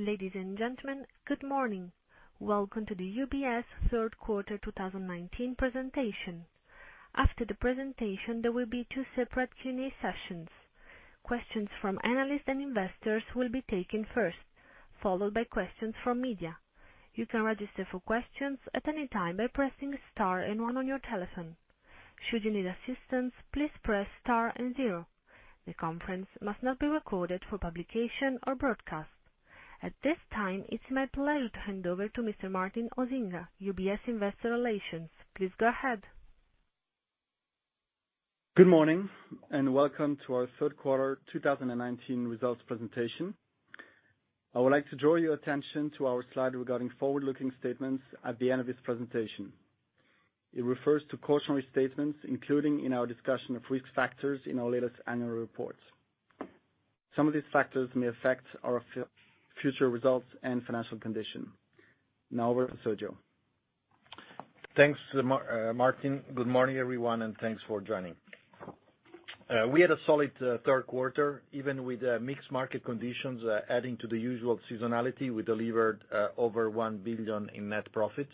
Ladies and gentlemen, good morning. Welcome to the UBS third quarter 2019 presentation. After the presentation, there will be 2 separate Q&A sessions. Questions from analysts and investors will be taken first, followed by questions from media. You can register for questions at any time by pressing star and 1 on your telephone. Should you need assistance, please press star and 0. The conference must not be recorded for publication or broadcast. At this time, it's my pleasure to hand over to Mr. Martin Osinga, UBS Investor Relations. Please go ahead. Good morning, welcome to our third quarter 2019 results presentation. I would like to draw your attention to our slide regarding forward-looking statements at the end of this presentation. It refers to cautionary statements, including in our discussion of risk factors in our latest annual report. Some of these factors may affect our future results and financial condition. Now over to Sergio. Thanks, Martin. Good morning, everyone. Thanks for joining. We had a solid third quarter. Even with mixed market conditions adding to the usual seasonality, we delivered over 1 billion in net profits.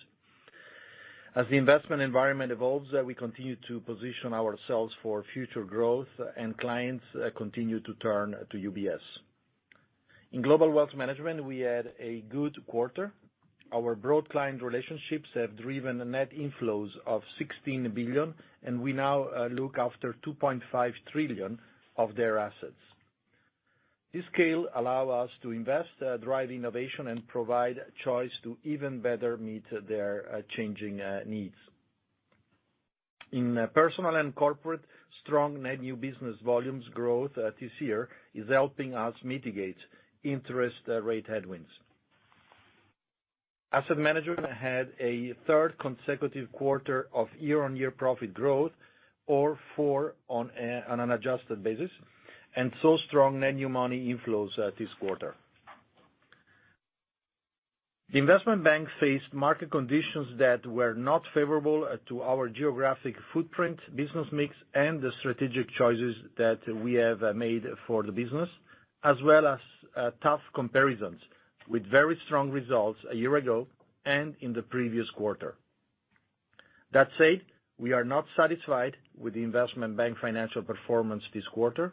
As the investment environment evolves, we continue to position ourselves for future growth. Clients continue to turn to UBS. In Global Wealth Management, we had a good quarter. Our broad client relationships have driven net inflows of 16 billion. We now look after 2.5 trillion of their assets. This scale allow us to invest, drive innovation, and provide choice to even better meet their changing needs. In Personal & Corporate Banking, strong net new business volumes growth this year is helping us mitigate interest rate headwinds. UBS Asset Management had a third consecutive quarter of year-on-year profit growth, or four on an adjusted basis. Saw strong net new money inflows this quarter. The Investment Bank faced market conditions that were not favorable to our geographic footprint, business mix, and the strategic choices that we have made for the business, as well as tough comparisons with very strong results a year ago and in the previous quarter. That said, we are not satisfied with the Investment Bank financial performance this quarter.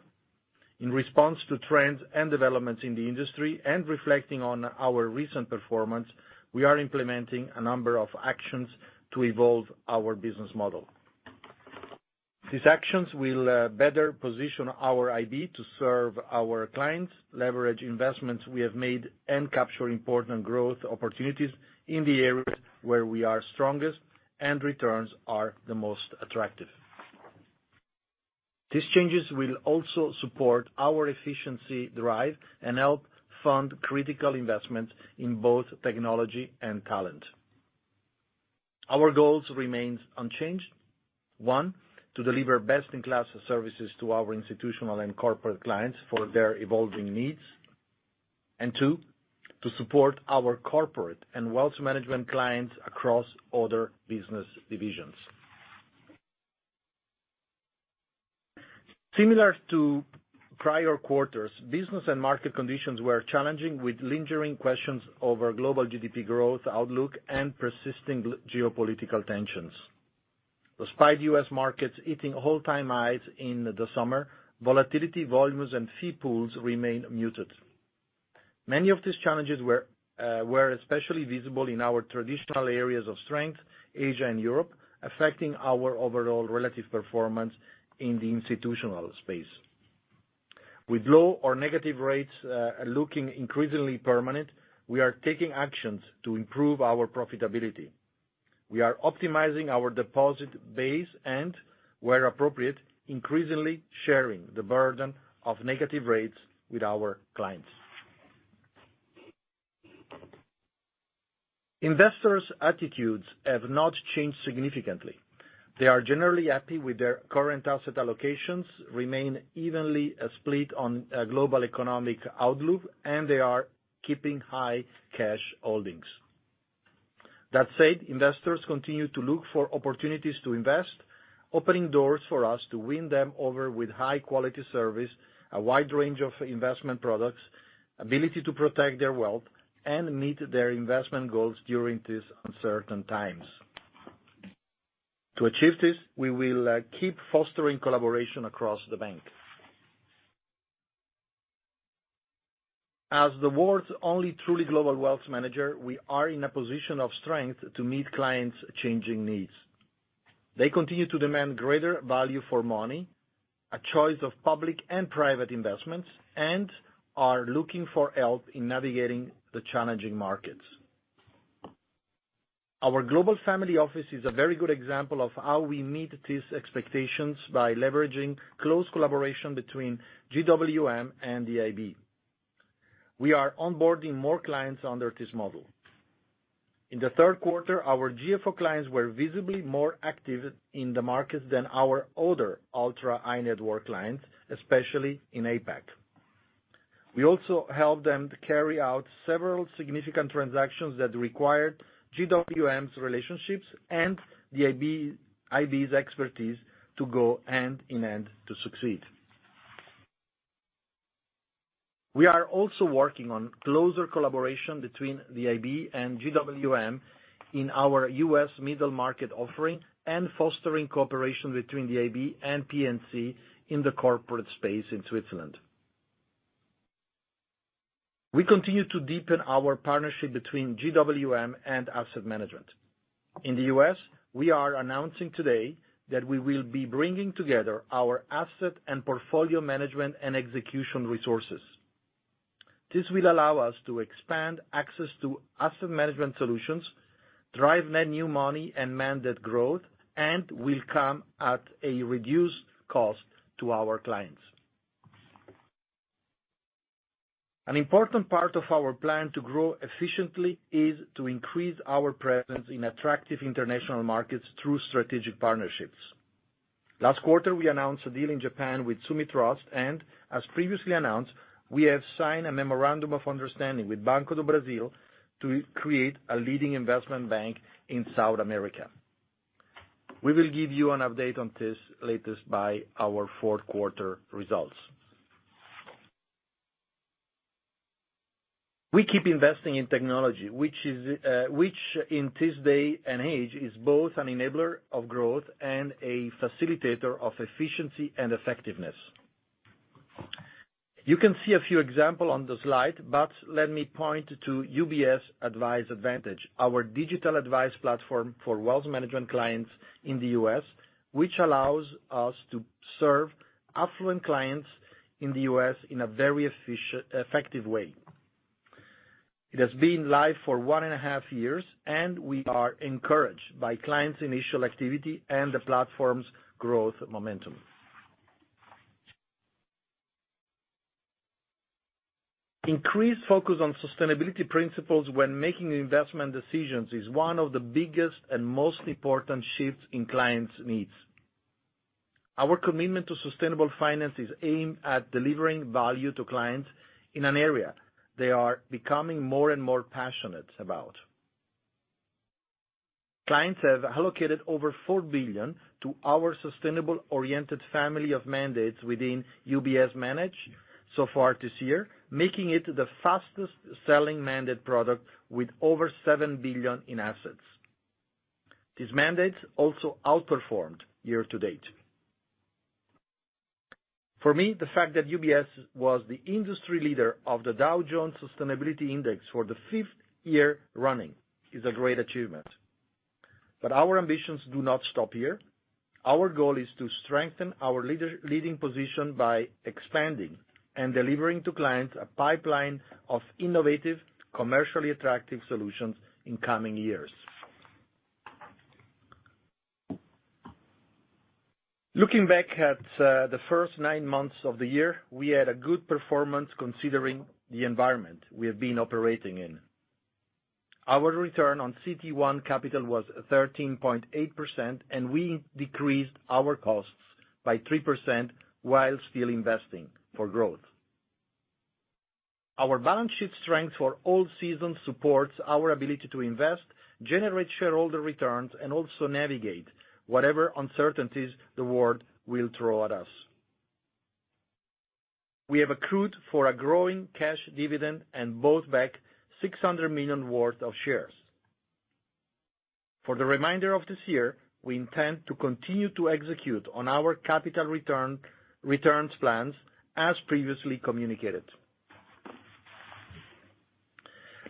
In response to trends and developments in the industry and reflecting on our recent performance, we are implementing a number of actions to evolve our business model. These actions will better position our IB to serve our clients, leverage investments we have made, and capture important growth opportunities in the areas where we are strongest and returns are the most attractive. These changes will also support our efficiency drive and help fund critical investments in both technology and talent. Our goals remain unchanged. One, to deliver best-in-class services to our institutional and corporate clients for their evolving needs. Two, to support our corporate and Wealth Management clients across other business divisions. Similar to prior quarters, business and market conditions were challenging, with lingering questions over global GDP growth outlook and persisting geopolitical tensions. Despite U.S. markets hitting all-time highs in the summer, volatility volumes and fee pools remain muted. Many of these challenges were especially visible in our traditional areas of strength, Asia and Europe, affecting our overall relative performance in the institutional space. With low or negative rates looking increasingly permanent, we are taking actions to improve our profitability. We are optimizing our deposit base and, where appropriate, increasingly sharing the burden of negative rates with our clients. Investors' attitudes have not changed significantly. They are generally happy with their current asset allocations, remain evenly split on global economic outlook, and they are keeping high cash holdings. That said, investors continue to look for opportunities to invest, opening doors for us to win them over with high-quality service, a wide range of investment products, ability to protect their wealth, and meet their investment goals during these uncertain times. To achieve this, we will keep fostering collaboration across the bank. As the world's only truly global wealth manager, we are in a position of strength to meet clients' changing needs. They continue to demand greater value for money, a choice of public and private investments, and are looking for help in navigating the challenging markets. Our Global Family Office is a very good example of how we meet these expectations by leveraging close collaboration between GWM and the IB. We are onboarding more clients under this model. In the third quarter, our GFO clients were visibly more active in the markets than our older ultra-high-net-worth clients, especially in APAC. We also helped them to carry out several significant transactions that required GWM's relationships and the IB's expertise to go end in end to succeed. We are also working on closer collaboration between the IB and GWM in our U.S. middle market offering and fostering cooperation between the IB and PNC in the corporate space in Switzerland. We continue to deepen our partnership between GWM and asset management. In the U.S., we are announcing today that we will be bringing together our asset and portfolio management and execution resources. This will allow us to expand access to asset management solutions, drive net new money and mandate growth, and will come at a reduced cost to our clients. An important part of our plan to grow efficiently is to increase our presence in attractive international markets through strategic partnerships. Last quarter, we announced a deal in Japan with Sumitrust and, as previously announced, we have signed a memorandum of understanding with Banco do Brasil to create a leading investment bank in South America. We will give you an update on this latest by our fourth quarter results. We keep investing in technology, which in this day and age is both an enabler of growth and a facilitator of efficiency and effectiveness. You can see a few example on the slide, but let me point to UBS Advice Advantage, our digital advice platform for wealth management clients in the U.S., which allows us to serve affluent clients in the U.S. in a very effective way. It has been live for one and a half years. We are encouraged by clients' initial activity and the platform's growth momentum. Increased focus on sustainability principles when making investment decisions is one of the biggest and most important shifts in clients' needs. Our commitment to sustainable finance is aimed at delivering value to clients in an area they are becoming more and more passionate about. Clients have allocated over 4 billion to our sustainable-oriented family of mandates within UBS Manage so far this year, making it the fastest-selling mandate product with over 7 billion in assets. These mandates also outperformed year to date. For me, the fact that UBS was the industry leader of the Dow Jones Sustainability Index for the fifth year running is a great achievement. Our ambitions do not stop here. Our goal is to strengthen our leading position by expanding and delivering to clients a pipeline of innovative, commercially attractive solutions in coming years. Looking back at the first nine months of the year, we had a good performance considering the environment we have been operating in. Our return on CET1 capital was 13.8%. We decreased our costs by 3% while still investing for growth. Our balance sheet strength for all seasons supports our ability to invest, generate shareholder returns, and also navigate whatever uncertainties the world will throw at us. We have accrued for a growing cash dividend and bought back 600 million worth of shares. For the remainder of this year, we intend to continue to execute on our capital returns plans as previously communicated.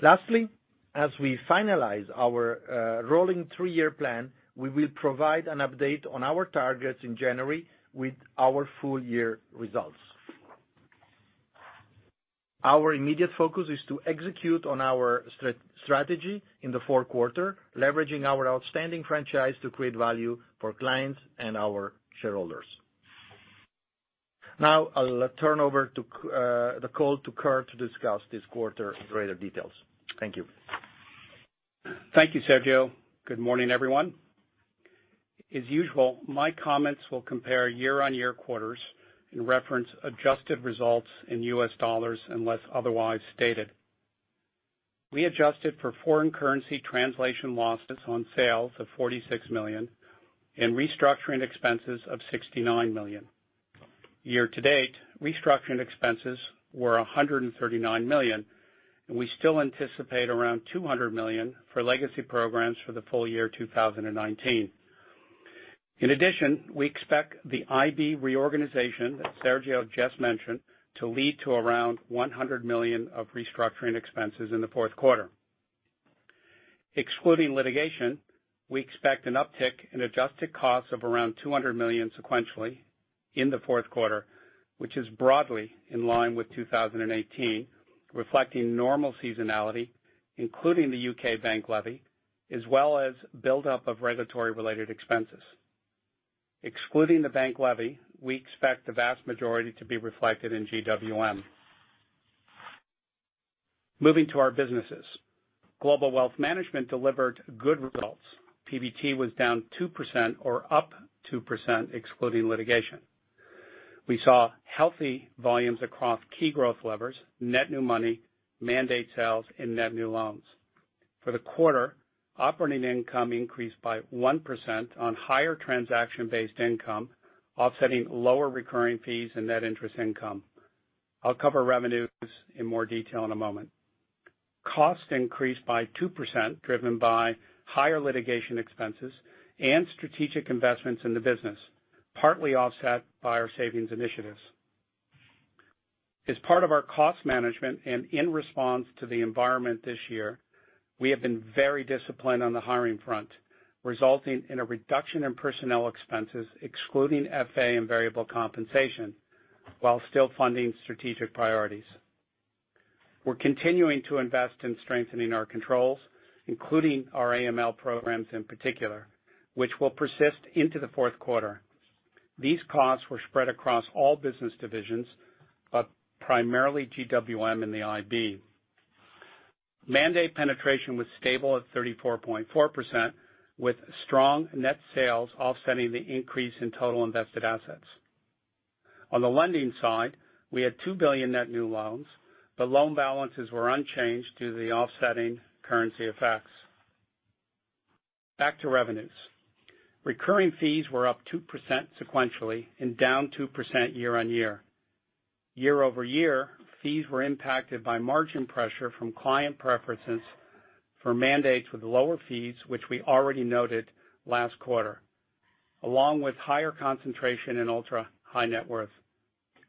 Lastly, as we finalize our rolling three-year plan, we will provide an update on our targets in January with our full-year results. Our immediate focus is to execute on our strategy in the fourth quarter, leveraging our outstanding franchise to create value for clients and our shareholders. I'll turn over the call to Kirt to discuss this quarter in greater details. Thank you. Thank you, Sergio. Good morning, everyone. As usual, my comments will compare year-on-year quarters and reference adjusted results in U.S. dollars unless otherwise stated. We adjusted for foreign currency translation losses on sales of $46 million and restructuring expenses of $69 million. Year to date, restructuring expenses were $139 million, and we still anticipate around $200 million for legacy programs for the full year 2019. In addition, we expect the IB reorganization that Sergio just mentioned to lead to around $100 million of restructuring expenses in the fourth quarter. Excluding litigation, we expect an uptick in adjusted costs of around $200 million sequentially in the fourth quarter, which is broadly in line with 2018, reflecting normal seasonality, including the U.K. bank levy, as well as buildup of regulatory-related expenses. Excluding the bank levy, we expect the vast majority to be reflected in GWM. Moving to our businesses. Global Wealth Management delivered good results. PBT was down 2% or up 2% excluding litigation. We saw healthy volumes across key growth levers, net new money, mandate sales, and net new loans. For the quarter, operating income increased by 1% on higher transaction-based income, offsetting lower recurring fees and net interest income. I'll cover revenues in more detail in a moment. Costs increased by 2%, driven by higher litigation expenses and strategic investments in the business, partly offset by our savings initiatives. As part of our cost management and in response to the environment this year, we have been very disciplined on the hiring front, resulting in a reduction in personnel expenses, excluding FA and variable compensation, while still funding strategic priorities. We're continuing to invest in strengthening our controls, including our AML programs in particular, which will persist into the fourth quarter. These costs were spread across all business divisions, but primarily GWM and the IB. Mandate penetration was stable at 34.4%, with strong net sales offsetting the increase in total invested assets. On the lending side, we had 2 billion net new loans, but loan balances were unchanged due to the offsetting currency effects. Back to revenues. Recurring fees were up 2% sequentially and down 2% year-on-year. Year-over-year, fees were impacted by margin pressure from client preferences for mandates with lower fees, which we already noted last quarter, along with higher concentration in ultra-high net worth.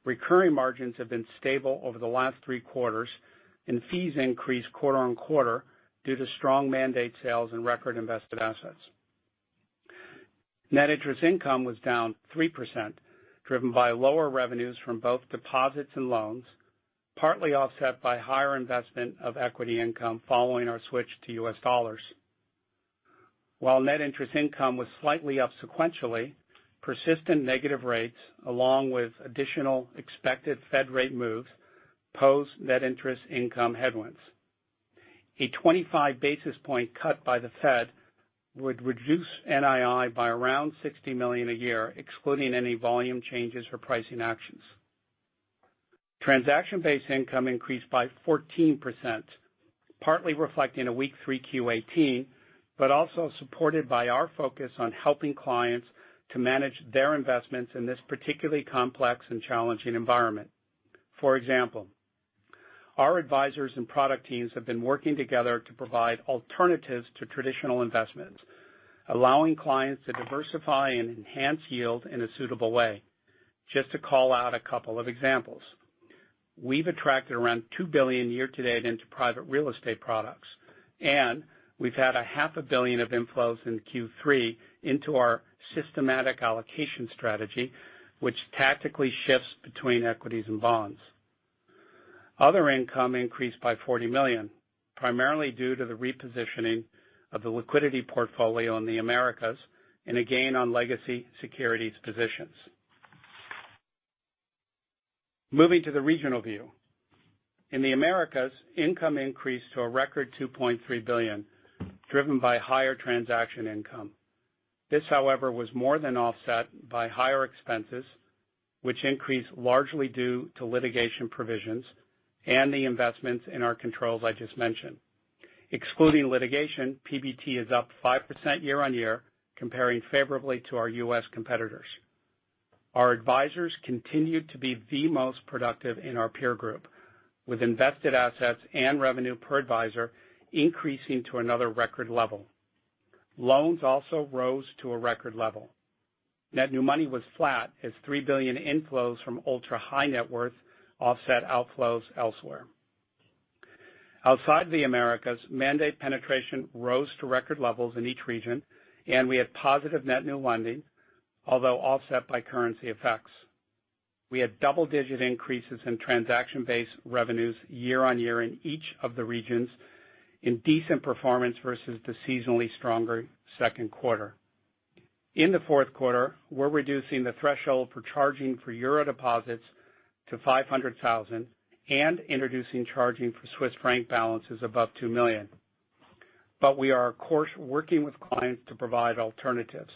Recurring margins have been stable over the last three quarters, and fees increased quarter-on-quarter due to strong mandate sales and record invested assets. Net interest income was down 3%, driven by lower revenues from both deposits and loans, partly offset by higher investment of equity income following our switch to US dollars. While net interest income was slightly up sequentially, persistent negative rates, along with additional expected Fed rate moves, pose net interest income headwinds. A 25 basis point cut by the Fed would reduce NII by around $60 million a year, excluding any volume changes or pricing actions. Transaction-based income increased by 14%, partly reflecting a weak 3Q18, also supported by our focus on helping clients to manage their investments in this particularly complex and challenging environment. For example, our advisors and product teams have been working together to provide alternatives to traditional investments, allowing clients to diversify and enhance yield in a suitable way. Just to call out a couple of examples. We've attracted around $2 billion year-to-date into private real estate products, we've had a half a billion of inflows in Q3 into our Systematic Allocation Portfolio, which tactically shifts between equities and bonds. Other income increased by $40 million, primarily due to the repositioning of the liquidity portfolio in the Americas and a gain on legacy securities positions. Moving to the regional view. In the Americas, income increased to a record $2.3 billion, driven by higher transaction income. This, however, was more than offset by higher expenses, which increased largely due to litigation provisions and the investments in our controls I just mentioned. Excluding litigation, PBT is up 5% year-on-year, comparing favorably to our U.S. competitors. Our advisors continued to be the most productive in our peer group, with invested assets and revenue per advisor increasing to another record level. Loans also rose to a record level. Net new money was flat as $3 billion inflows from ultra-high net worth offset outflows elsewhere. Outside the Americas, mandate penetration rose to record levels in each region, and we had positive net new lending, although offset by currency effects. We had double-digit increases in transaction-based revenues year-on-year in each of the regions, in decent performance versus the seasonally stronger second quarter. In the fourth quarter, we're reducing the threshold for charging for euro deposits to 500,000 and introducing charging for Swiss franc balances above 2 million. We are, of course, working with clients to provide alternatives.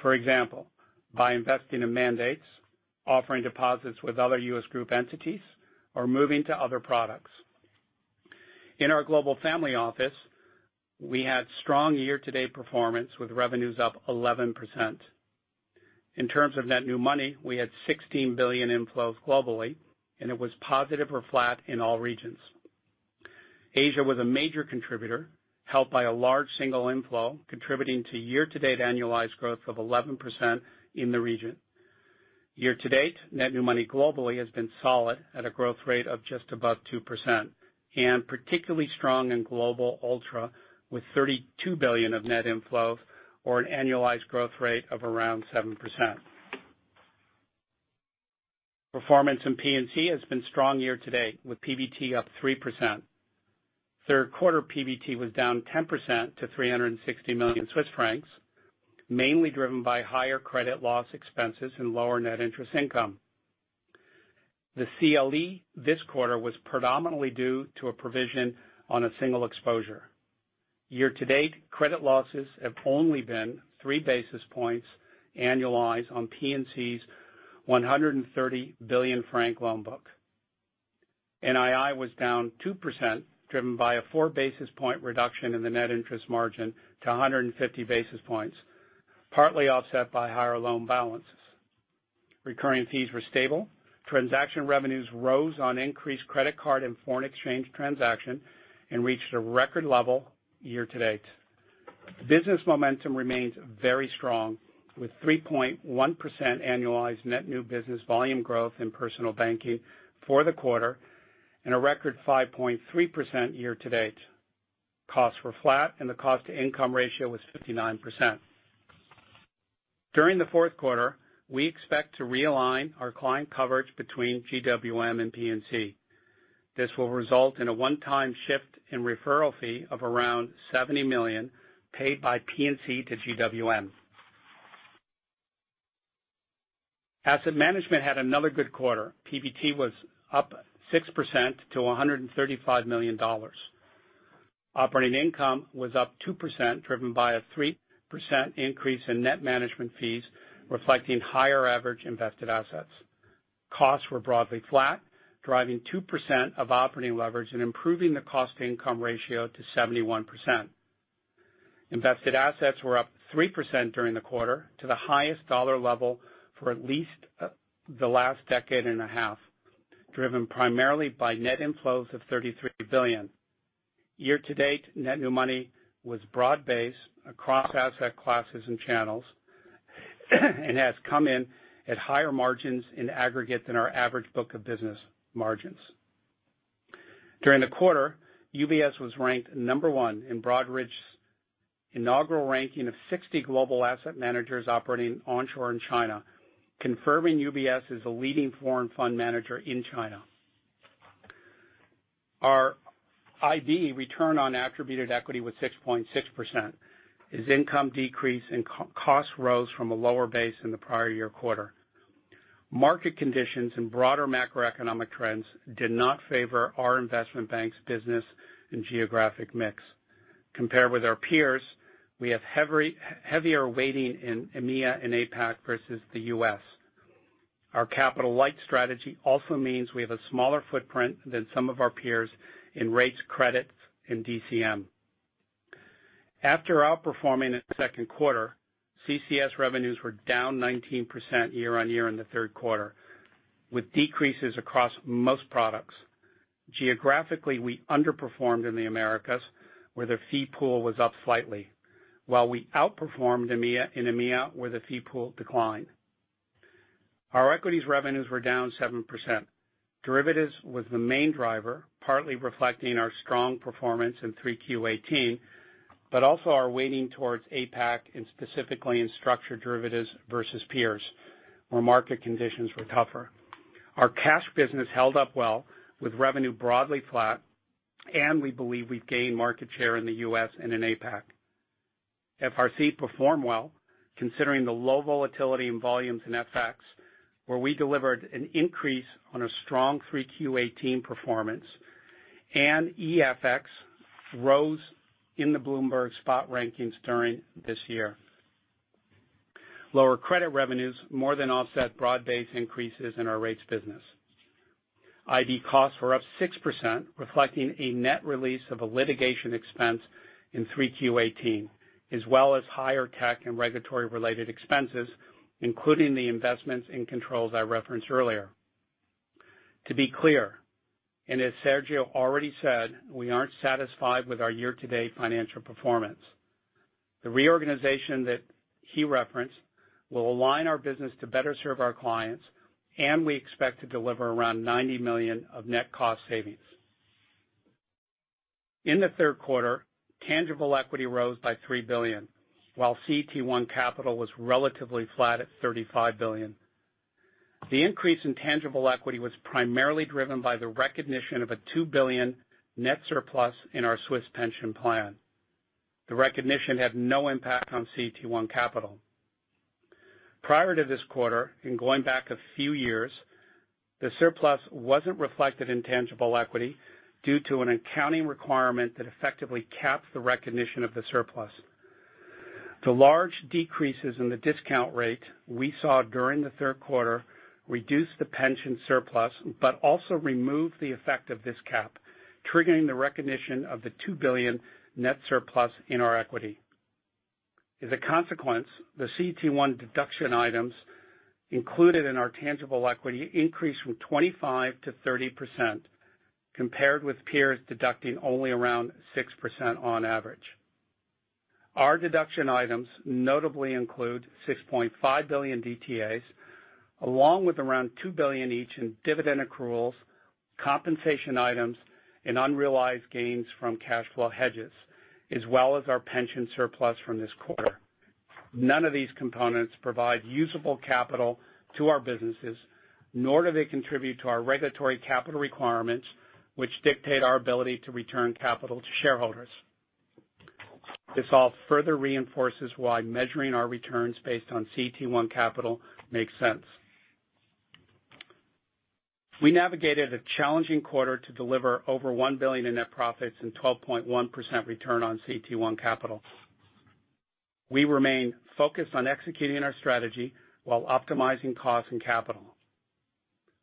For example, by investing in mandates, offering deposits with other UBS group entities, or moving to other products. In our Global Family Office, we had strong year-to-date performance with revenues up 11%. In terms of net new money, we had $16 billion inflows globally, and it was positive or flat in all regions. Asia was a major contributor, helped by a large single inflow, contributing to year-to-date annualized growth of 11% in the region. Year-to-date, net new money globally has been solid at a growth rate of just above 2% and particularly strong in Global Family Office with 32 billion of net inflows or an annualized growth rate of around 7%. Performance in P&C has been strong year-to-date, with PBT up 3%. Third quarter PBT was down 10% to 360 million Swiss francs, mainly driven by higher credit loss expenses and lower net interest income. The CLE this quarter was predominantly due to a provision on a single exposure. Year-to-date, credit losses have only been three basis points annualized on P&C's 130 billion franc loan book. NII was down 2%, driven by a four basis point reduction in the net interest margin to 150 basis points, partly offset by higher loan balances. Recurring fees were stable. Transaction revenues rose on increased credit card and foreign exchange transaction, and reached a record level year-to-date. Business momentum remains very strong, with 3.1% annualized net new business volume growth in Personal & Corporate Banking for the quarter, and a record 5.3% year-to-date. Costs were flat, and the cost-to-income ratio was 59%. During the fourth quarter, we expect to realign our client coverage between GWM and P&C. This will result in a one-time shift in referral fee of around $70 million paid by P&C to GWM. Asset Management had another good quarter. PBT was up 6% to $135 million. Operating income was up 2%, driven by a 3% increase in net management fees, reflecting higher average invested assets. Costs were broadly flat, driving 2% of operating leverage and improving the cost-to-income ratio to 71%. Invested assets were up 3% during the quarter, to the highest dollar level for at least the last decade and a half, driven primarily by net inflows of 33 billion. Year-to-date, net new money was broad-based across asset classes and channels, and has come in at higher margins in aggregate than our average book of business margins. During the quarter, UBS was ranked number one in Broadridge's inaugural ranking of 60 global asset managers operating onshore in China, confirming UBS as the leading foreign fund manager in China. Our IB return on attributed equity was 6.6% as income decreased and costs rose from a lower base in the prior year quarter. Market conditions and broader macroeconomic trends did not favor our Investment Bank's business and geographic mix. Compared with our peers, we have heavier weighting in EMEA and APAC versus the U.S. Our capital-light strategy also means we have a smaller footprint than some of our peers in rates credits in DCM. After outperforming in the second quarter, CCS revenues were down 19% year-on-year in the third quarter, with decreases across most products. Geographically, we underperformed in the Americas, where the fee pool was up slightly, while we outperformed in EMEA, where the fee pool declined. Our equities revenues were down 7%. Derivatives was the main driver, partly reflecting our strong performance in Q3 2018, but also our weighting towards APAC, and specifically in structured derivatives versus peers, where market conditions were tougher. Our cash business held up well, with revenue broadly flat, and we believe we've gained market share in the U.S. and in APAC. FRC performed well, considering the low volatility in volumes in FX, where we delivered an increase on a strong Q3 2018 performance. EFX rose in the Bloomberg spot rankings during this year. Lower credit revenues more than offset broad-based increases in our rates business. IB costs were up 6%, reflecting a net release of a litigation expense in Q3 2018, as well as higher tech and regulatory-related expenses, including the investments in controls I referenced earlier. To be clear, and as Sergio already said, we aren't satisfied with our year-to-date financial performance. The reorganization that he referenced will align our business to better serve our clients, and we expect to deliver around $90 million of net cost savings. In the third quarter, tangible equity rose by $3 billion, while CET1 capital was relatively flat at $35 billion. The increase in tangible equity was primarily driven by the recognition of a $2 billion net surplus in our Swiss pension plan. The recognition had no impact on CET1 capital. Prior to this quarter, and going back a few years, the surplus wasn't reflected in tangible equity due to an accounting requirement that effectively caps the recognition of the surplus. The large decreases in the discount rate we saw during the third quarter reduced the pension surplus but also removed the effect of this cap, triggering the recognition of the 2 billion net surplus in our equity. As a consequence, the CET1 deduction items included in our tangible equity increased from 25% to 30%, compared with peers deducting only around 6% on average. Our deduction items notably include 6.5 billion DTAs, along with around 2 billion each in dividend accruals, compensation items, and unrealized gains from cash flow hedges, as well as our pension surplus from this quarter. None of these components provide usable capital to our businesses, nor do they contribute to our regulatory capital requirements, which dictate our ability to return capital to shareholders. This all further reinforces why measuring our returns based on CET1 capital makes sense. We navigated a challenging quarter to deliver over $1 billion in net profits and 12.1% return on CET1 capital. We remain focused on executing our strategy while optimizing cost and capital.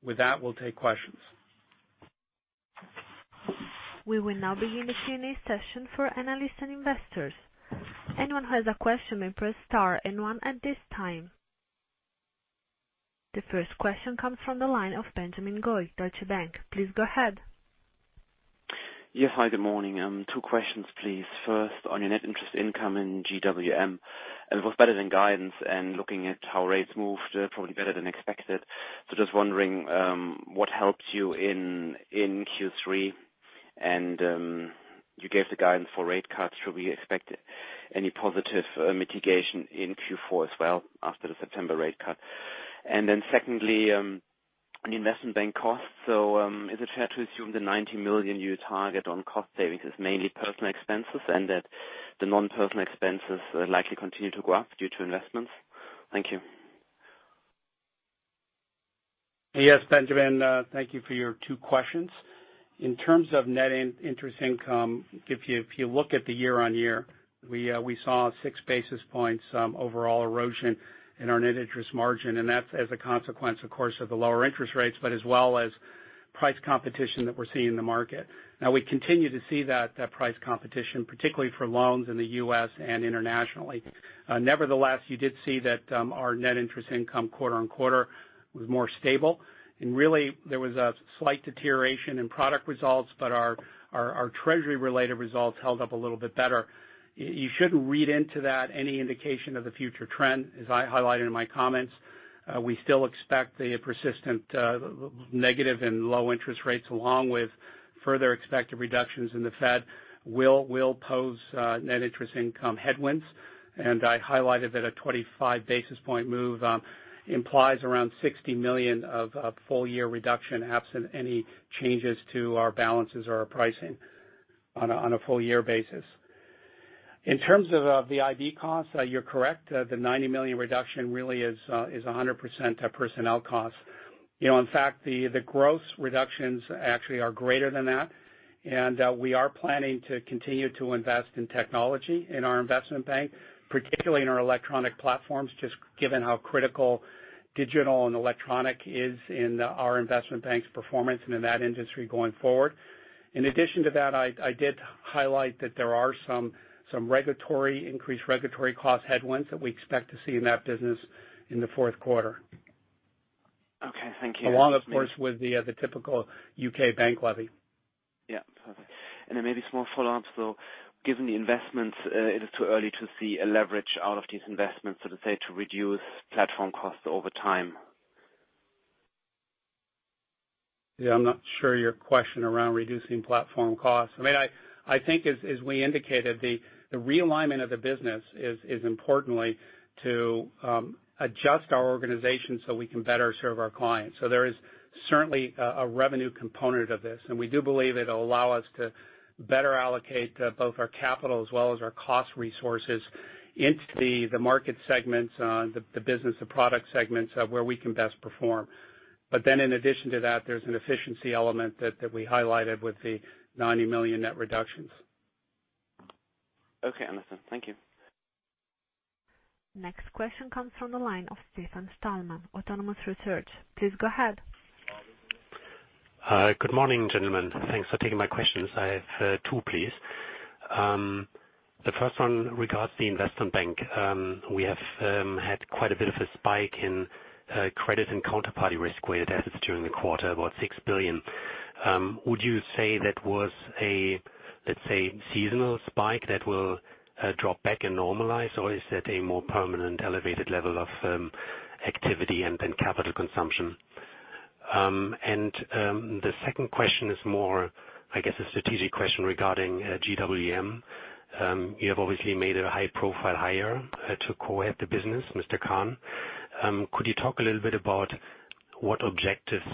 With that, we will take questions. We will now begin the Q&A session for analysts and investors. Anyone who has a question may press star and one at this time. The first question comes from the line of Benjamin Goy, Deutsche Bank. Please go ahead. Yeah. Hi, good morning. Two questions, please. First, on your net interest income in GWM, it was better than guidance and looking at how rates moved, probably better than expected. Just wondering what helped you in Q3? You gave the guidance for rate cuts. Should we expect any positive mitigation in Q4 as well after the September rate cut? Secondly, on Investment Bank costs. Is it fair to assume the 90 million you target on cost savings is mainly personal expenses and that the non-personal expenses likely continue to go up due to investments? Thank you. Yes, Benjamin. Thank you for your two questions. In terms of net interest income, if you look at the year-over-year, we saw six basis points overall erosion in our net interest margin, and that's as a consequence, of course, of the lower interest rates, but as well as price competition that we're seeing in the market. We continue to see that price competition, particularly for loans in the U.S. and internationally. Nevertheless, you did see that our net interest income quarter-over-quarter was more stable, and really there was a slight deterioration in product results. Our treasury-related results held up a little bit better. You shouldn't read into that any indication of the future trend. As I highlighted in my comments, we still expect the persistent negative and low interest rates, along with further expected reductions in the Fed will pose net interest income headwinds. I highlighted that a 25 basis point move implies around 60 million of full year reduction, absent any changes to our balances or our pricing on a full year basis. In terms of the IB costs, you're correct. The 90 million reduction really is 100% personnel cost. In fact, the gross reductions actually are greater than that. We are planning to continue to invest in technology in our Investment Bank, particularly in our electronic platforms, just given how critical digital and electronic is in our Investment Bank's performance and in that industry going forward. In addition to that, I did highlight that there are some increased regulatory cost headwinds that we expect to see in that business in the fourth quarter. Okay. Thank you. Along, of course, with the typical U.K. bank levy. Yeah. Perfect. Then maybe small follow-up. Given the investments, it is too early to see a leverage out of these investments, so to say, to reduce platform costs over time. Yeah. I'm not sure your question around reducing platform costs. I think as we indicated, the realignment of the business is importantly to adjust our organization so we can better serve our clients. There is certainly a revenue component of this, and we do believe it'll allow us to better allocate both our capital as well as our cost resources into the market segments, the business, the product segments of where we can best perform. In addition to that, there's an efficiency element that we highlighted with the 90 million net reductions. Okay. Understood. Thank you. Next question comes from the line of Stefan Stalmann, Autonomous Research. Please go ahead. Good morning, gentlemen. Thanks for taking my questions. I have two, please. The first one regards the Investment Bank. We have had quite a bit of a spike in credit and counterparty Risk-Weighted Assets during the quarter, about 6 billion. Would you say that was a, let's say, seasonal spike that will drop back and normalize? Is it a more permanent elevated level of activity and capital consumption? The second question is more, I guess, a strategic question regarding GWM. You have obviously made a high-profile hire to co-head the business, Mr. Khan. Could you talk a little bit about what objectives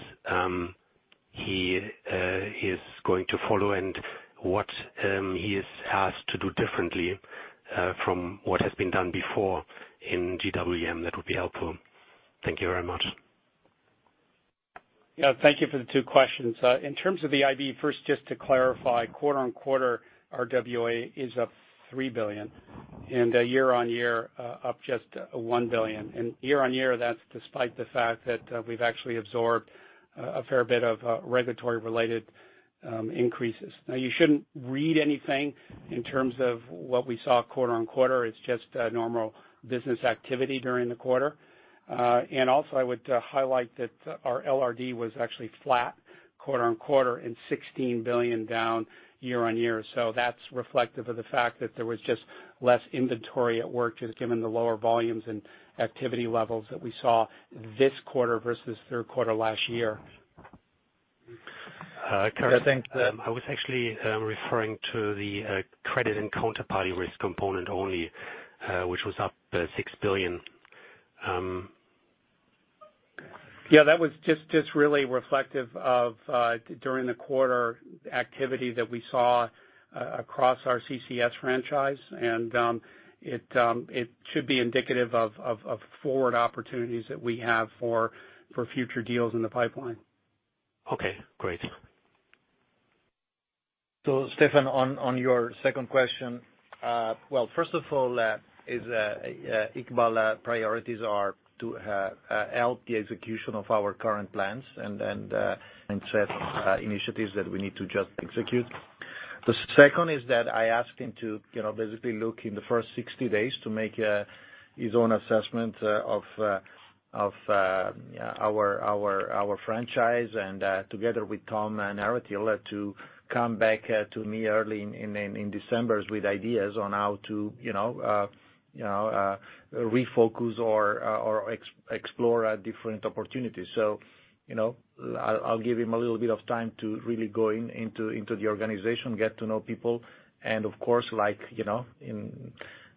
he is going to follow and what he is asked to do differently from what has been done before in GWM? That would be helpful. Thank you very much. Yeah. Thank you for the two questions. In terms of the IB, first, just to clarify, quarter-on-quarter, our RWA is up $3 billion and year-on-year up just $1 billion. Year-on-year, that's despite the fact that we've actually absorbed a fair bit of regulatory-related increases. Now, you shouldn't read anything in terms of what we saw quarter-on-quarter. It's just normal business activity during the quarter. Also I would highlight that our LRD was actually flat quarter-on-quarter and $16 billion down year-on-year. That's reflective of the fact that there was just less inventory at work, just given the lower volumes and activity levels that we saw this quarter versus third quarter last year. Okay. Thanks. I was actually referring to the credit and counterparty risk component only, which was up 6 billion. That was just really reflective of during the quarter activity that we saw across our CCS franchise. It should be indicative of forward opportunities that we have for future deals in the pipeline. Okay, great. Stefan, on your second question. Well, first of all, Iqbal priorities are to help the execution of our current plans and set initiatives that we need to just execute. The second is that I asked him to basically look in the first 60 days to make his own assessment of our franchise and, together with Tom Naratil, to come back to me early in December with ideas on how to refocus or explore different opportunities. I'll give him a little bit of time to really go into the organization, get to know people, and of course,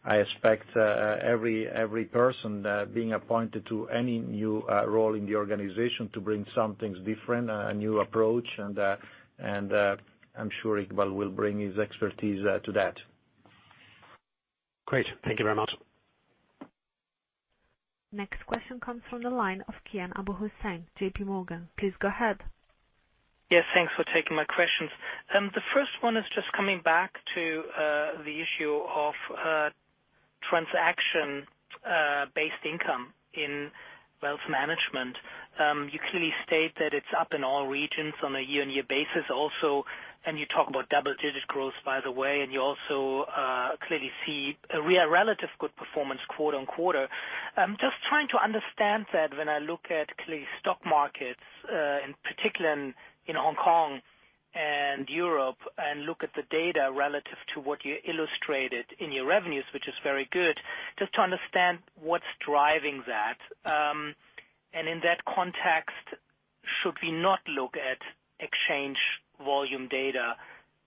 I expect every person being appointed to any new role in the organization to bring something different, a new approach, and I'm sure Iqbal will bring his expertise to that. Great. Thank you very much. Next question comes from the line of Kian Abouhossein, JPMorgan. Please go ahead. Yes, thanks for taking my questions. The first one is just coming back to the issue of transaction-based income in wealth management. You clearly state that it's up in all regions on a year-on-year basis also, and you talk about double-digit growth, by the way, and you also clearly see a relative good performance quarter-on-quarter. I'm just trying to understand that when I look at clearly stock markets, in particular in Hong Kong and Europe, and look at the data relative to what you illustrated in your revenues, which is very good, just to understand what's driving that. In that context, should we not look at exchange volume data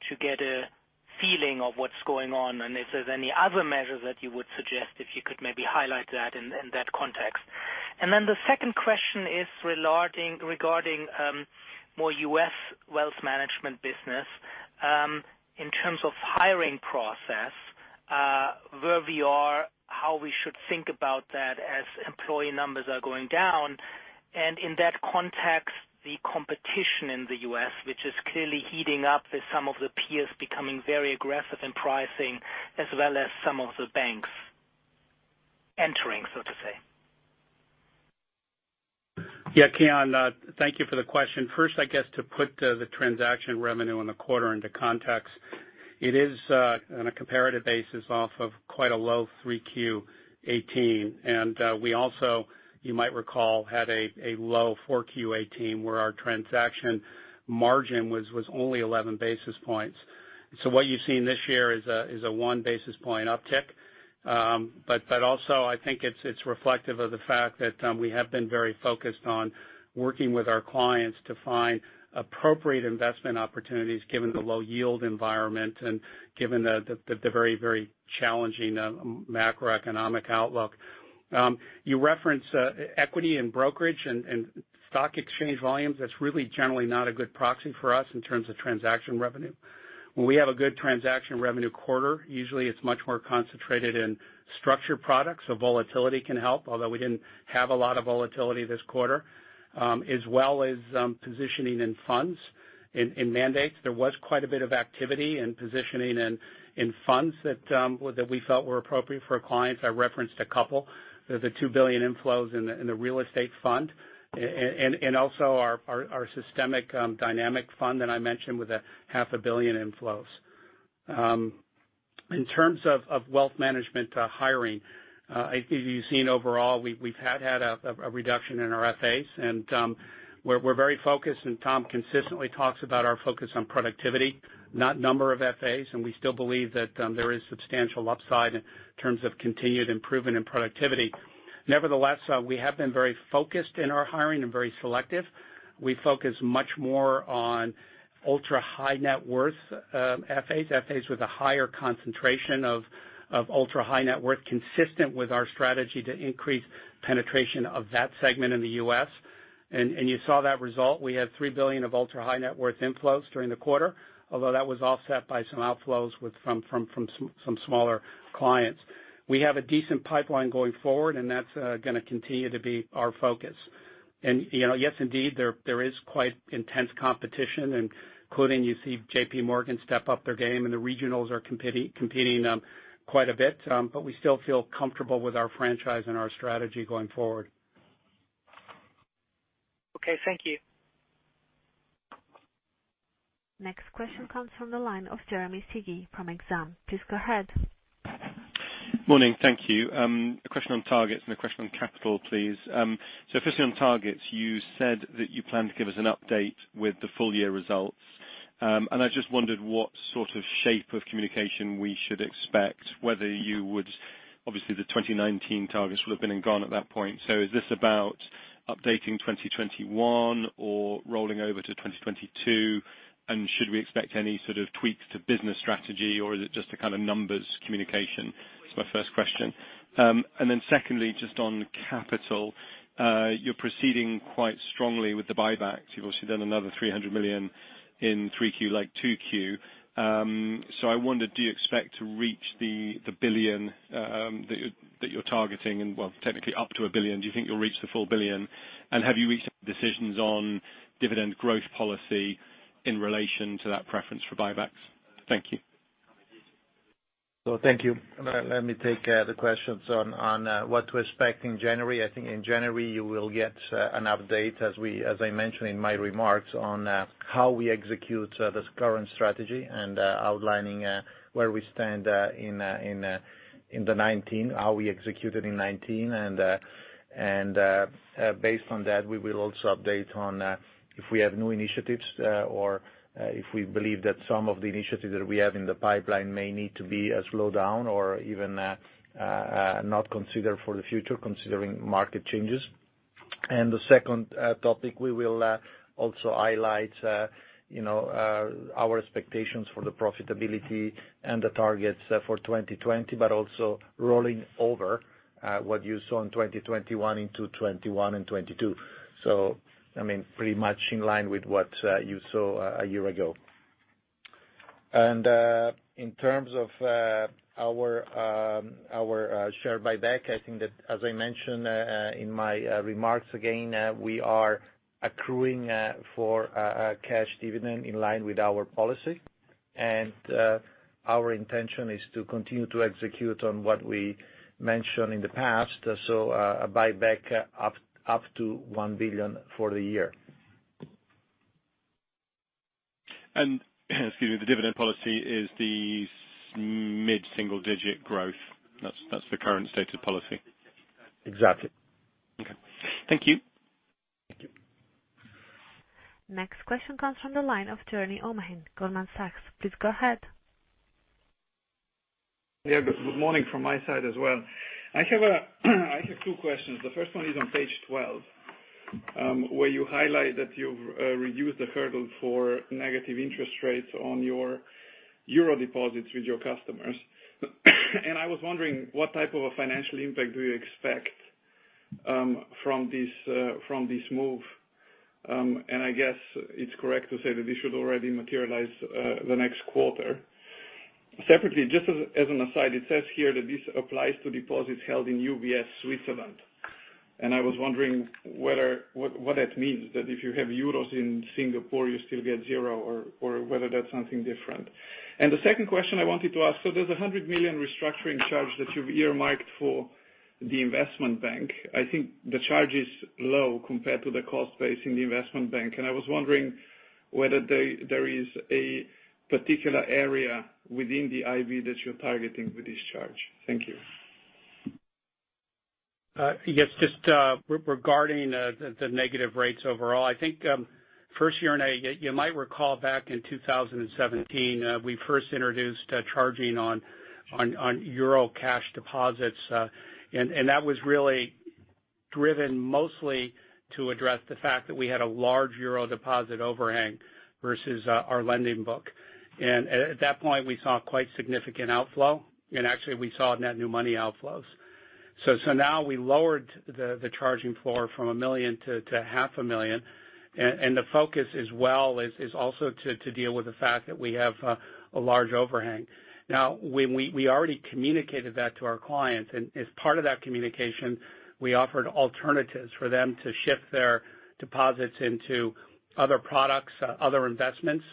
to get a feeling of what's going on? If there's any other measure that you would suggest, if you could maybe highlight that in that context. The second question is regarding more U.S. wealth management business. In terms of hiring process, where we are, how we should think about that as employee numbers are going down, and in that context, the competition in the U.S., which is clearly heating up with some of the peers becoming very aggressive in pricing as well as some of the banks entering, so to say? Yeah, Kian, thank you for the question. First, I guess to put the transaction revenue in the quarter into context, it is on a comparative basis off of quite a low 3Q18. We also, you might recall, had a low 4Q18 where our transaction margin was only 11 basis points. What you've seen this year is a one basis point uptick. Also, I think it's reflective of the fact that we have been very focused on working with our clients to find appropriate investment opportunities given the low yield environment and given the very challenging macroeconomic outlook. You reference equity and brokerage and stock exchange volumes. That's really generally not a good proxy for us in terms of transaction revenue. When we have a good transaction revenue quarter, usually it's much more concentrated in structured products, so volatility can help, although we didn't have a lot of volatility this quarter, as well as positioning in funds, in mandates. There was quite a bit of activity and positioning in funds that we felt were appropriate for our clients. I referenced a couple. There's the $2 billion inflows in the real estate fund, and also our Systematic Allocation Portfolio Dynamic Fund that I mentioned with a $half a billion inflows. In terms of wealth management hiring, as you've seen overall, we've had a reduction in our FAs, and we're very focused, and Tom consistently talks about our focus on productivity, not number of FAs, and we still believe that there is substantial upside in terms of continued improvement in productivity. Nevertheless, we have been very focused in our hiring and very selective. We focus much more on ultra high net worth FAs with a higher concentration of ultra high net worth, consistent with our strategy to increase penetration of that segment in the U.S. You saw that result. We had 3 billion of ultra high net worth inflows during the quarter, although that was offset by some outflows from some smaller clients. We have a decent pipeline going forward, and that's going to continue to be our focus. Yes, indeed, there is quite intense competition and including you see JPMorgan step up their game and the regionals are competing quite a bit. We still feel comfortable with our franchise and our strategy going forward. Okay, thank you. Next question comes from the line of Jeremy Sigee from Exane. Please go ahead. Morning. Thank you. A question on targets and a question on capital, please. Firstly on targets, you said that you plan to give us an update with the full year results. I just wondered what sort of shape of communication we should expect, whether you would. Obviously, the 2019 targets will have been and gone at that point. Is this about updating 2021 or rolling over to 2022? Should we expect any sort of tweaks to business strategy, or is it just a kind of numbers communication? That's my first question. Secondly, just on capital, you're proceeding quite strongly with the buybacks. You've obviously done another 300 million in 3Q like 2Q. I wondered, do you expect to reach the 1 billion that you're targeting and, well, technically up to 1 billion? Do you think you'll reach the full 1 billion? Have you reached decisions on dividend growth policy in relation to that preference for buybacks? Thank you. Thank you. Let me take the questions on what to expect in January. I think in January you will get an update as I mentioned in my remarks on how we execute this current strategy, and outlining where we stand in 2019, how we executed in 2019, and based on that, we will also update on if we have new initiatives or if we believe that some of the initiatives that we have in the pipeline may need to be slowed down or even not considered for the future, considering market changes. The second topic, we will also highlight our expectations for the profitability and the targets for 2020, but also rolling over what you saw in 2021 into 2021 and 2022. Pretty much in line with what you saw a year ago. In terms of our share buyback, I think that, as I mentioned in my remarks again, we are accruing for a cash dividend in line with our policy. Our intention is to continue to execute on whatFjer we mentioned in the past. A buyback up to 1 billion for the year. Excuse me, the dividend policy is the mid-single-digit growth. That's the current state of policy? Exactly. Okay. Thank you. Thank you. Next question comes from the line of Jernej Omahen, Goldman Sachs. Please go ahead. Good morning from my side as well. I have two questions. The first one is on page 12, where you highlight that you've reduced the hurdle for negative interest rates on your euro deposits with your customers. I was wondering, what type of a financial impact do you expect from this move? I guess it's correct to say that this should already materialize the next quarter. Separately, just as an aside, it says here that this applies to deposits held in UBS Switzerland. I was wondering what that means, that if you have euros in Singapore, you still get 0, or whether that's something different. The second question I wanted to ask, there's 100 million restructuring charge that you've earmarked for the Investment Bank. I think the charge is low compared to the cost base in the Investment Bank, and I was wondering whether there is a particular area within the IB that you're targeting with this charge. Thank you. Yes. Just regarding the negative rates overall, I think, first, Jernej, you might recall back in 2017, we first introduced charging on euro cash deposits. That was really driven mostly to address the fact that we had a large euro deposit overhang versus our lending book. At that point, we saw quite significant outflow, and actually, we saw net new money outflows. Now we lowered the charging floor from 1 million to half a million. The focus as well is also to deal with the fact that we have a large overhang. Now, we already communicated that to our clients, and as part of that communication, we offered alternatives for them to shift their deposits into other products, other investments,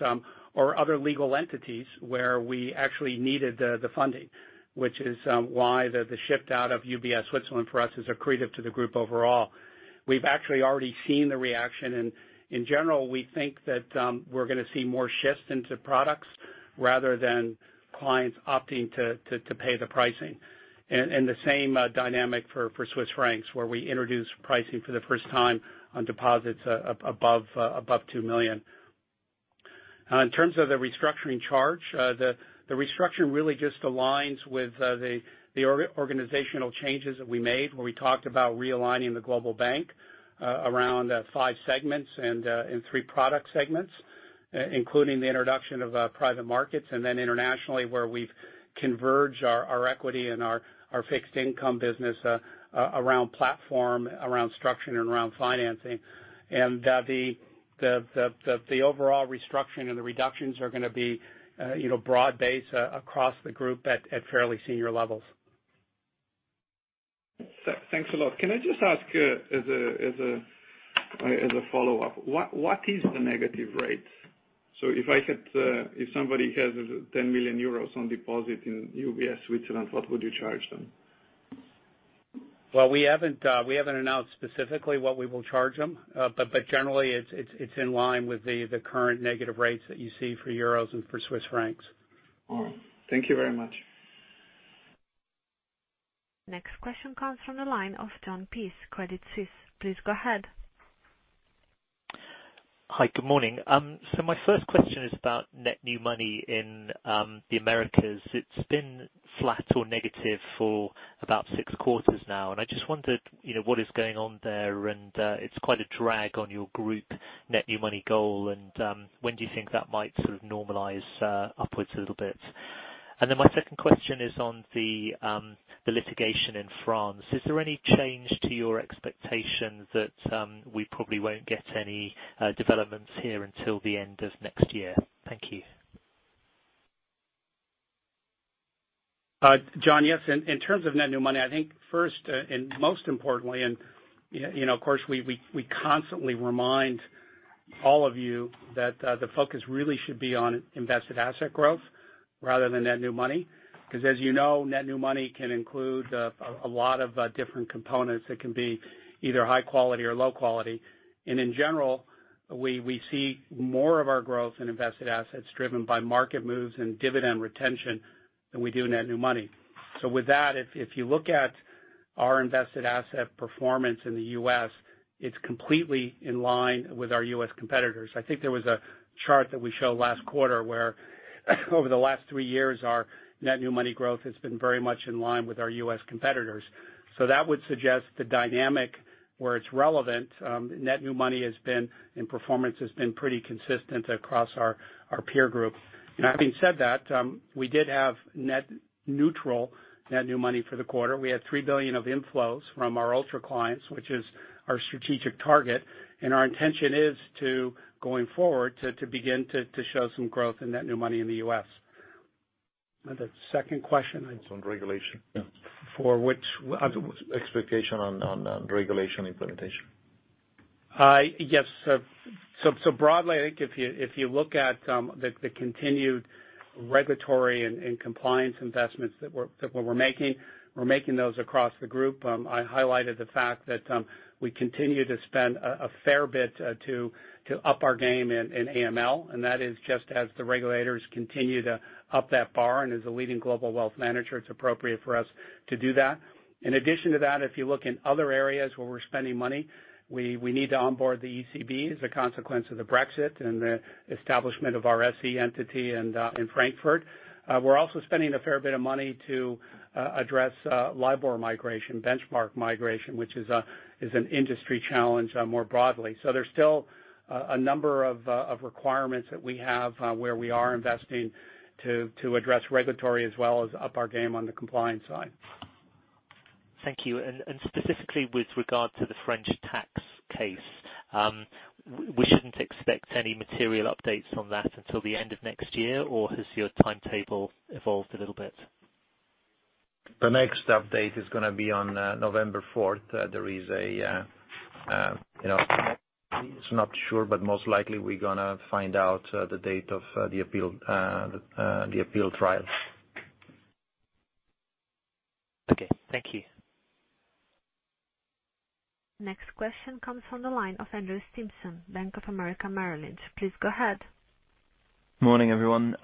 or other legal entities where we actually needed the funding. Which is why the shift out of UBS Switzerland for us is accretive to the group overall. We've actually already seen the reaction. In general, we think that we're going to see more shifts into products rather than clients opting to pay the pricing. The same dynamic for CHF, where we introduced pricing for the first time on deposits above 2 million. In terms of the restructuring charge, the restructure really just aligns with the organizational changes that we made when we talked about realigning the Global Banking around five segments and three product segments, including the introduction of private markets. Then internationally, where we've converged our equity and our fixed income business, around platform, around structuring, and around financing. The overall restructuring and the reductions are going to be broad-based across the group at fairly senior levels. Thanks a lot. Can I just ask as a follow-up, what is the negative rates? If somebody has 10 million euros on deposit in UBS Switzerland, what would you charge them? Well, we haven't announced specifically what we will charge them. Generally, it's in line with the current negative rates that you see for euros and for Swiss francs. All right. Thank you very much. Next question comes from the line of Jon Peace, Credit Suisse. Please go ahead. Hi. Good morning. My first question is about net new money in the Americas. It's been flat or negative for about 6 quarters now, and I just wondered what is going on there, and it's quite a drag on your group net new money goal. When do you think that might sort of normalize upwards a little bit? My second question is on the litigation in France. Is there any change to your expectation that we probably won't get any developments here until the end of next year? Thank you. Jon, yes. In terms of net new money, I think first, and most importantly, and of course, we constantly remind. All of you that the focus really should be on invested asset growth rather than net new money. As you know, net new money can include a lot of different components that can be either high quality or low quality. In general, we see more of our growth in invested assets driven by market moves and dividend retention than we do in net new money. With that, if you look at our invested asset performance in the U.S., it's completely in line with our U.S. competitors. I think there was a chart that we showed last quarter where over the last three years, our net new money growth has been very much in line with our U.S. competitors. That would suggest the dynamic where it's relevant, net new money has been, and performance has been pretty consistent across our peer group. Now, having said that, we did have net neutral net new money for the quarter. We had $3 billion of inflows from our ultra clients, which is our strategic target, our intention is to, going forward, to begin to show some growth in net new money in the U.S. The second question? It's on regulation. For which? Expectation on regulation implementation. Yes. Broadly, I think if you look at the continued regulatory and compliance investments that we're making, we're making those across the group. I highlighted the fact that we continue to spend a fair bit to up our game in AML, and that is just as the regulators continue to up that bar, and as a leading global wealth manager, it's appropriate for us to do that. In addition to that, if you look in other areas where we're spending money, we need to onboard the ECB as a consequence of the Brexit and the establishment of our SE entity in Frankfurt. We're also spending a fair bit of money to address LIBOR migration, benchmark migration, which is an industry challenge more broadly. There's still a number of requirements that we have where we are investing to address regulatory as well as up our game on the compliance side. Thank you. Specifically with regard to the French tax case, we shouldn't expect any material updates on that until the end of next year, or has your timetable evolved a little bit? The next update is going to be on November 4th. It's not sure, but most likely we're going to find out the date of the appeal trials. Okay. Thank you. Next question comes from the line of Andrew Stimpson, Bank of America Merrill Lynch. Please go ahead. Morning, everyone.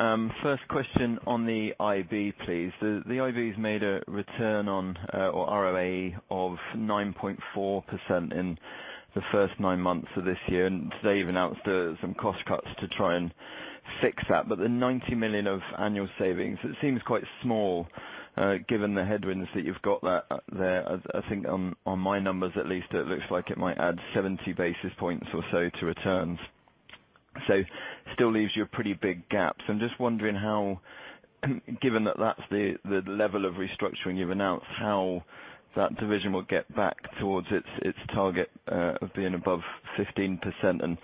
First question on the IB, please. The IB's made a return on, or ROA, of 9.4% in the first nine months of this year. Today you've announced some cost cuts to try and fix that. The 90 million of annual savings, it seems quite small, given the headwinds that you've got there. I think on my numbers at least, it looks like it might add 70 basis points or so to returns. Still leaves you pretty big gaps. I'm just wondering how, given that that's the level of restructuring you've announced, how that division will get back towards its target of being above 15%.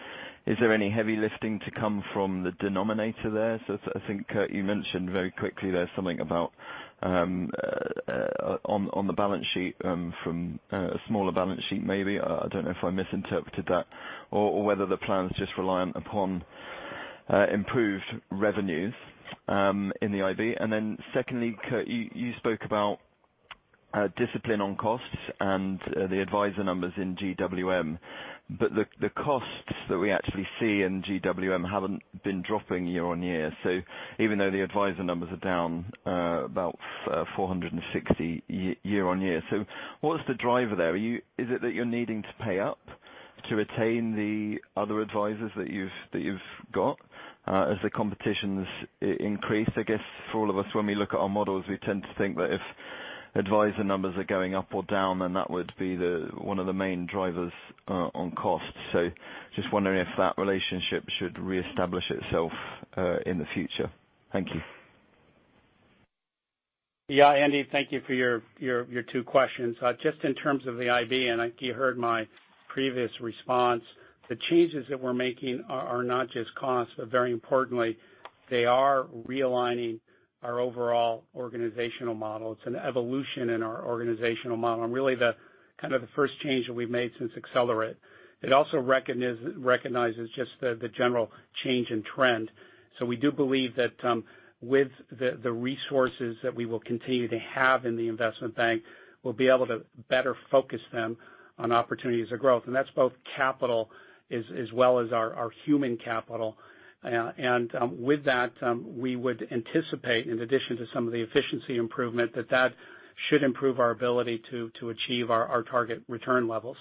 Is there any heavy lifting to come from the denominator there? I think, Kirt, you mentioned very quickly there something about on the balance sheet, from a smaller balance sheet, maybe. I don't know if I misinterpreted that or whether the plan's just reliant upon improved revenues in the IB. Secondly, Kirt, you spoke about discipline on costs and the advisor numbers in GWM, but the costs that we actually see in GWM haven't been dropping year-on-year. Even though the advisor numbers are down about 460 year-on-year. What is the driver there? Is it that you're needing to pay up to retain the other advisors that you've got as the competition's increased? I guess for all of us, when we look at our models, we tend to think that if advisor numbers are going up or down, that would be one of the main drivers on cost. Just wondering if that relationship should reestablish itself in the future. Thank you. Yeah, Andy, thank you for your two questions. Just in terms of the IB, and you heard my previous response, the changes that we're making are not just cost, but very importantly, they are realigning our overall organizational model. It's an evolution in our organizational model and really the kind of the first change that we've made since Accelerate. It also recognizes just the general change in trend. We do believe that with the resources that we will continue to have in the Investment Bank, we'll be able to better focus them on opportunities for growth. That's both capital as well as our human capital. With that, we would anticipate, in addition to some of the efficiency improvement, that that should improve our ability to achieve our target return levels.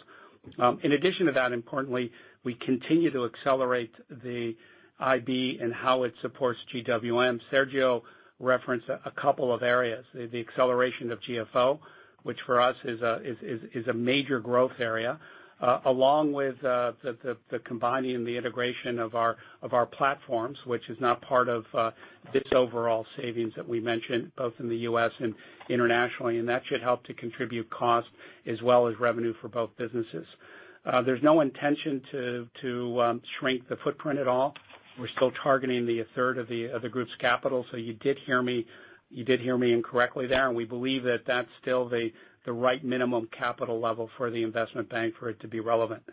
In addition to that, importantly, we continue to accelerate the IB and how it supports GWM. Sergio referenced a couple of areas, the acceleration of GFO, which for us is a major growth area, along with the combining and the integration of our platforms, which is now part of this overall savings that we mentioned, both in the U.S. and internationally. That should help to contribute cost as well as revenue for both businesses. There's no intention to shrink the footprint at all. We're still targeting the third of the group's capital. You did hear me incorrectly there, and we believe that that's still the right minimum capital level for the Investment Bank for it to be relevant.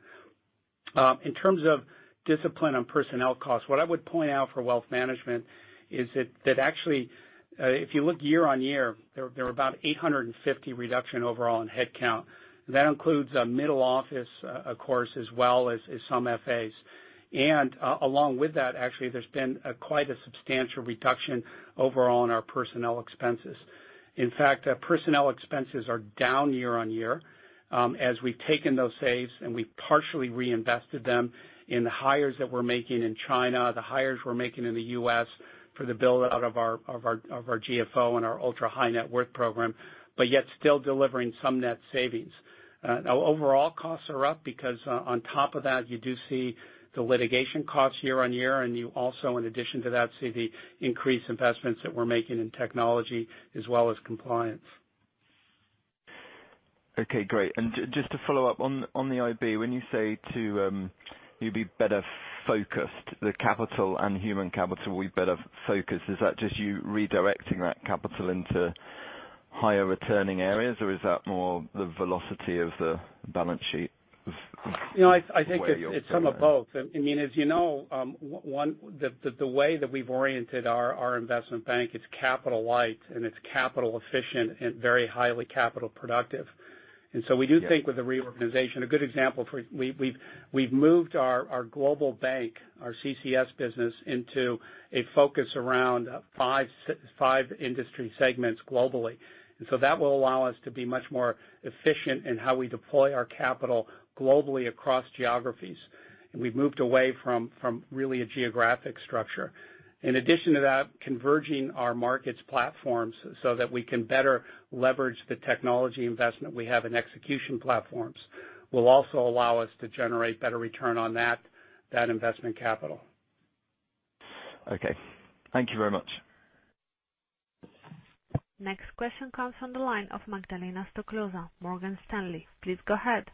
In terms of discipline on personnel costs, what I would point out for wealth management is that actually, if you look year-on-year, there were about 850 reduction overall in headcount. That includes middle office, of course, as well as some FAs. Along with that, actually, there's been quite a substantial reduction overall in our personnel expenses. In fact, personnel expenses are down year-on-year as we've taken those saves and we've partially reinvested them in the hires that we're making in China, the hires we're making in the U.S. for the build-out of our GFO and our ultra-high net worth program, but yet still delivering some net savings. Overall costs are up because on top of that, you do see the litigation costs year-on-year, and you also, in addition to that, see the increased investments that we're making in technology as well as compliance. Okay, great. Just to follow up on the IB, when you say you'd be better focused, the capital and human capital will be better focused, is that just you redirecting that capital into higher returning areas, or is that more the velocity of the balance sheet? I think it's some of both. As you know, the way that we've oriented our Investment Bank, it's capital light and it's capital efficient and very highly capital productive. Yes. We do think with the reorganization, a good example, we've moved our Global Banking, our CCS business, into a focus around five industry segments globally. That will allow us to be much more efficient in how we deploy our capital globally across geographies. We've moved away from really a geographic structure. In addition to that, converging our markets platforms so that we can better leverage the technology investment we have in execution platforms will also allow us to generate better return on that investment capital. Okay. Thank you very much. Next question comes from the line of Magdalena Stoklosa, Morgan Stanley. Please go ahead.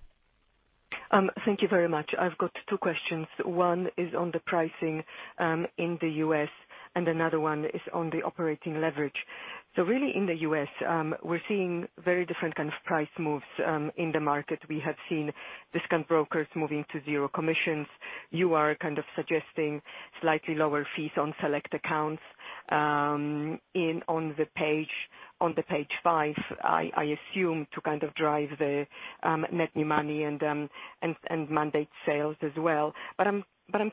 Thank you very much. I've got two questions. One is on the pricing in the U.S. Another one is on the operating leverage. Really in the U.S., we're seeing very different kind of price moves in the market. We have seen discount brokers moving to zero commissions. You are kind of suggesting slightly lower fees on select accounts. On the page five, I assume to kind of drive the net new money and mandate sales as well. I'm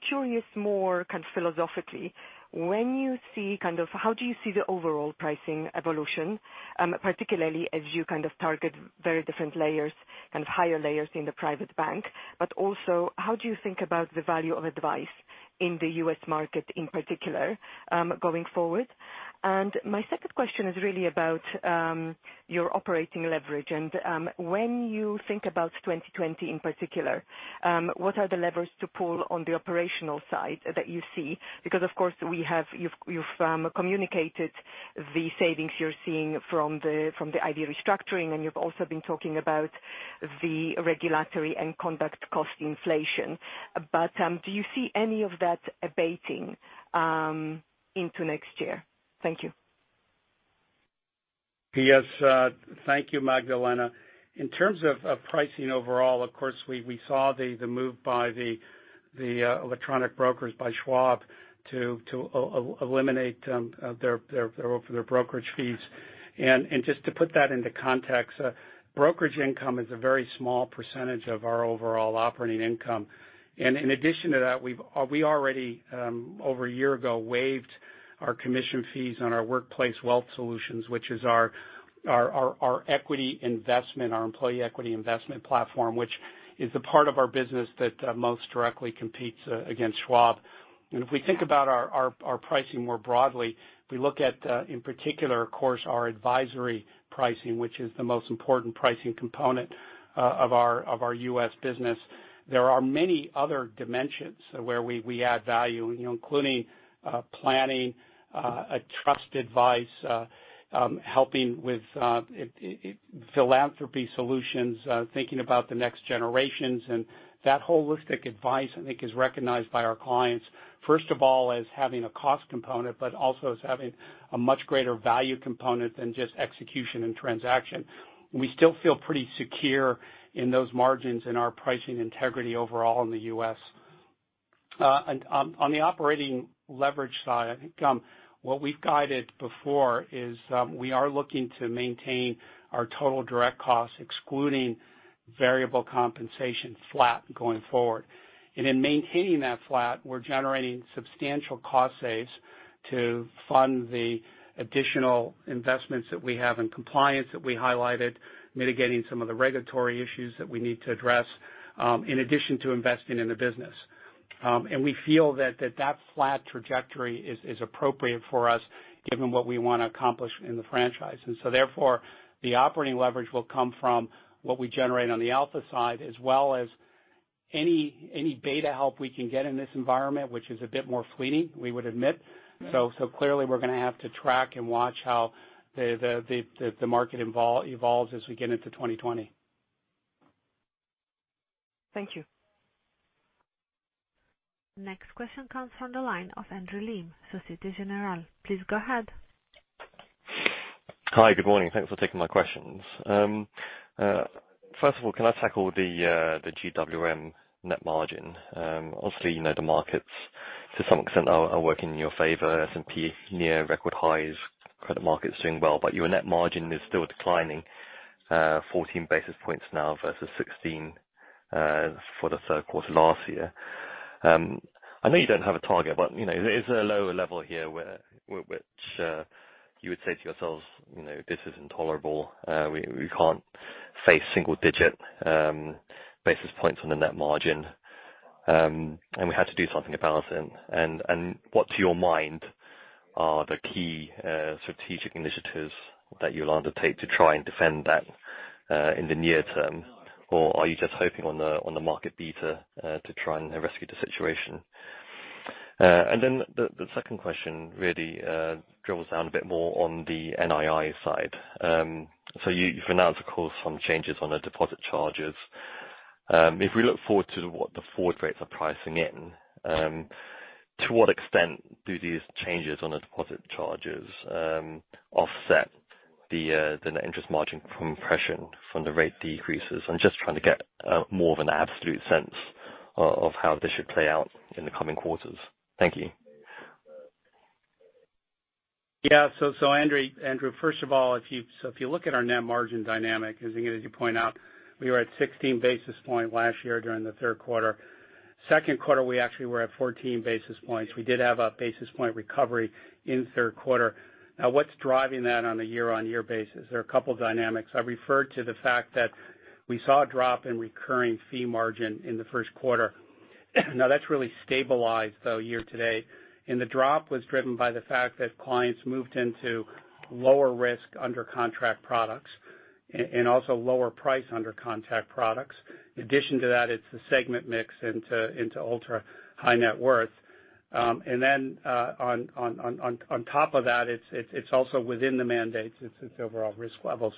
curious more philosophically, how do you see the overall pricing evolution, particularly as you target very different layers and higher layers in the private bank? Also, how do you think about the value of advice in the U.S. market in particular, going forward? My second question is really about your operating leverage. When you think about 2020 in particular, what are the levers to pull on the operational side that you see? Because of course, you've communicated the savings you're seeing from the IB restructuring, and you've also been talking about the regulatory and conduct cost inflation. Do you see any of that abating into next year? Thank you. Yes. Thank you, Magdalena. In terms of pricing overall, of course, we saw the move by the electronic brokers by Schwab to eliminate their brokerage fees. Just to put that into context, brokerage income is a very small percentage of our overall operating income. In addition to that, we already, over a year ago, waived our commission fees on our Workplace Wealth Solutions, which is our equity investment, our employee equity investment platform, which is the part of our business that most directly competes against Schwab. If we think about our pricing more broadly, we look at, in particular, of course, our advisory pricing, which is the most important pricing component of our U.S. business. There are many other dimensions where we add value, including planning, trust advice, helping with philanthropy solutions, thinking about the next generations. That holistic advice, I think, is recognized by our clients, first of all, as having a cost component, but also as having a much greater value component than just execution and transaction. We still feel pretty secure in those margins in our pricing integrity overall in the U.S. On the operating leverage side, what we've guided before is we are looking to maintain our total direct costs, excluding variable compensation flat going forward. In maintaining that flat, we're generating substantial cost saves to fund the additional investments that we have in compliance that we highlighted, mitigating some of the regulatory issues that we need to address, in addition to investing in the business. We feel that that flat trajectory is appropriate for us given what we want to accomplish in the franchise. Therefore, the operating leverage will come from what we generate on the alpha side as well as any beta help we can get in this environment, which is a bit more fleeting, we would admit. Clearly, we're going to have to track and watch how the market evolves as we get into 2020. Thank you. Next question comes from the line of Andrew Lim, Societe Generale. Please go ahead. Hi, good morning. Thanks for taking my questions. First of all, can I tackle the GWM net margin? Obviously, the markets to some extent are working in your favor. S&P near record highs, credit markets doing well, but your net margin is still declining 14 basis points now versus 16 for the third quarter last year. I know you don't have a target, but is there a lower level here which you would say to yourselves, "This is intolerable. We can't face single digit basis points on the net margin, and we have to do something about it." What to your mind are the key strategic initiatives that you'll undertake to try and defend that in the near term? Are you just hoping on the market beta to try and rescue the situation? The second question really drills down a bit more on the NII side. You've announced, of course, some changes on the deposit charges. If we look forward to what the forward rates are pricing in, to what extent do these changes on the deposit charges offset the net interest margin from compression from the rate decreases? I'm just trying to get more of an absolute sense of how this should play out in the coming quarters. Thank you. Andrew, first of all, if you look at our net margin dynamic, as you point out, we were at 16 basis points last year during the third quarter. Second quarter, we actually were at 14 basis points. We did have a basis point recovery in the third quarter. What's driving that on a year-on-year basis? There are a couple of dynamics. I referred to the fact that we saw a drop in recurring fee margin in the first quarter. That's really stabilized though year to date, and the drop was driven by the fact that clients moved into lower risk under contract products and also lower price under contract products. In addition to that, it's the segment mix into ultra-high net worth. On top of that, it's also within the mandates, it's overall risk levels.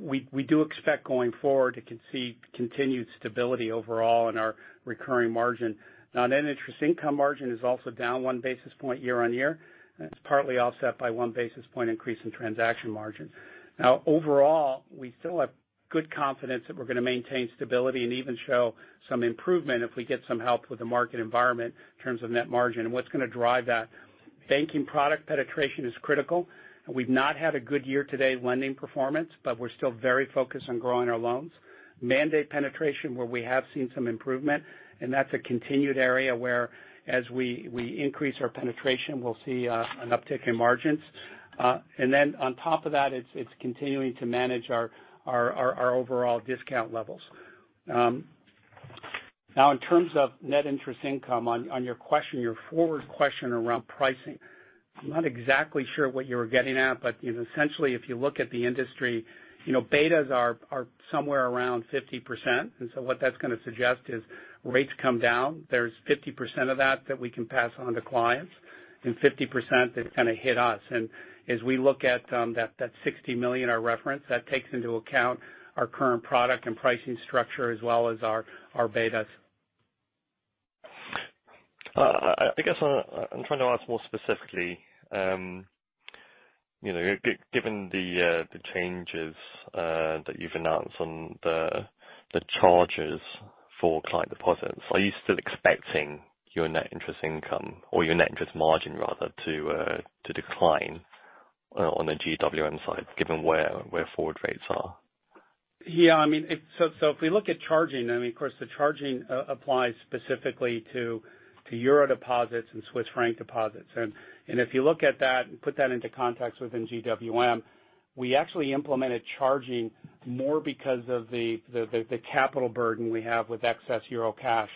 We do expect going forward to see continued stability overall in our recurring margin. Net interest income margin is also down 1 basis point year-on-year. That's partly offset by 1 basis point increase in transaction margin. Overall, we still have good confidence that we're going to maintain stability and even show some improvement if we get some help with the market environment in terms of net margin and what's going to drive that. Banking product penetration is critical, and we've not had a good year-to-date lending performance, but we're still very focused on growing our loans. Mandate penetration, where we have seen some improvement, and that's a continued area where as we increase our penetration, we'll see an uptick in margins. Then on top of that, it's continuing to manage our overall discount levels. In terms of net interest income, on your question, your forward question around pricing. I'm not exactly sure what you were getting at, essentially if you look at the industry, betas are somewhere around 50%. What that's going to suggest is rates come down. There's 50% of that that we can pass on to clients and 50% that's going to hit us. As we look at that 60 million I referenced, that takes into account our current product and pricing structure as well as our betas. I guess I'm trying to ask more specifically, given the changes that you've announced on the charges for client deposits, are you still expecting your net interest income or your net interest margin, rather, to decline on the GWM side given where forward rates are? If we look at charging, of course, the charging applies specifically to EUR deposits and CHF deposits. If you look at that and put that into context within GWM, we actually implemented charging more because of the capital burden we have with excess EUR cash.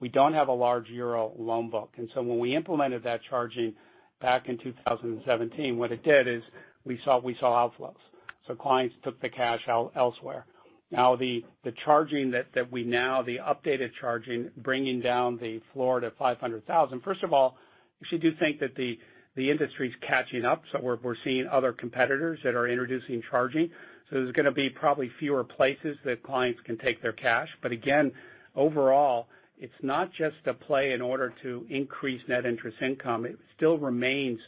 We don't have a large EUR loan book. When we implemented that charging back in 2017, what it did is we saw outflows. Clients took the cash elsewhere. The updated charging bringing down the floor to 500,000, first of all, we actually do think that the industry's catching up. We're seeing other competitors that are introducing charging. There's going to be probably fewer places that clients can take their cash. Again, overall, it's not just a play in order to increase net interest income. It still remains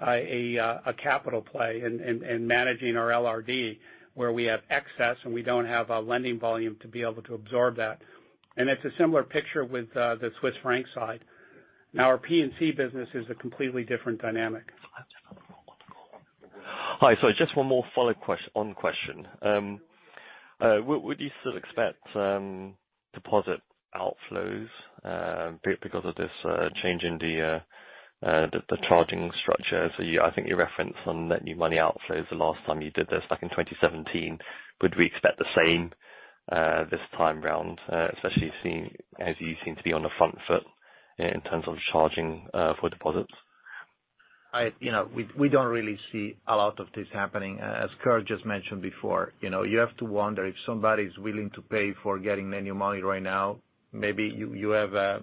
a capital play in managing our LRD where we have excess and we don't have a lending volume to be able to absorb that. It's a similar picture with the Swiss franc side. Our P&C business is a completely different dynamic. Hi. Just one more follow-on question. Would you still expect deposit outflows because of this change in the charging structure? I think you referenced some net new money outflows the last time you did this back in 2017. Could we expect the same this time around? Especially as you seem to be on the front foot in terms of charging for deposits. We don't really see a lot of this happening. As Kirt just mentioned before, you have to wonder if somebody's willing to pay for getting the new money right now, maybe you have a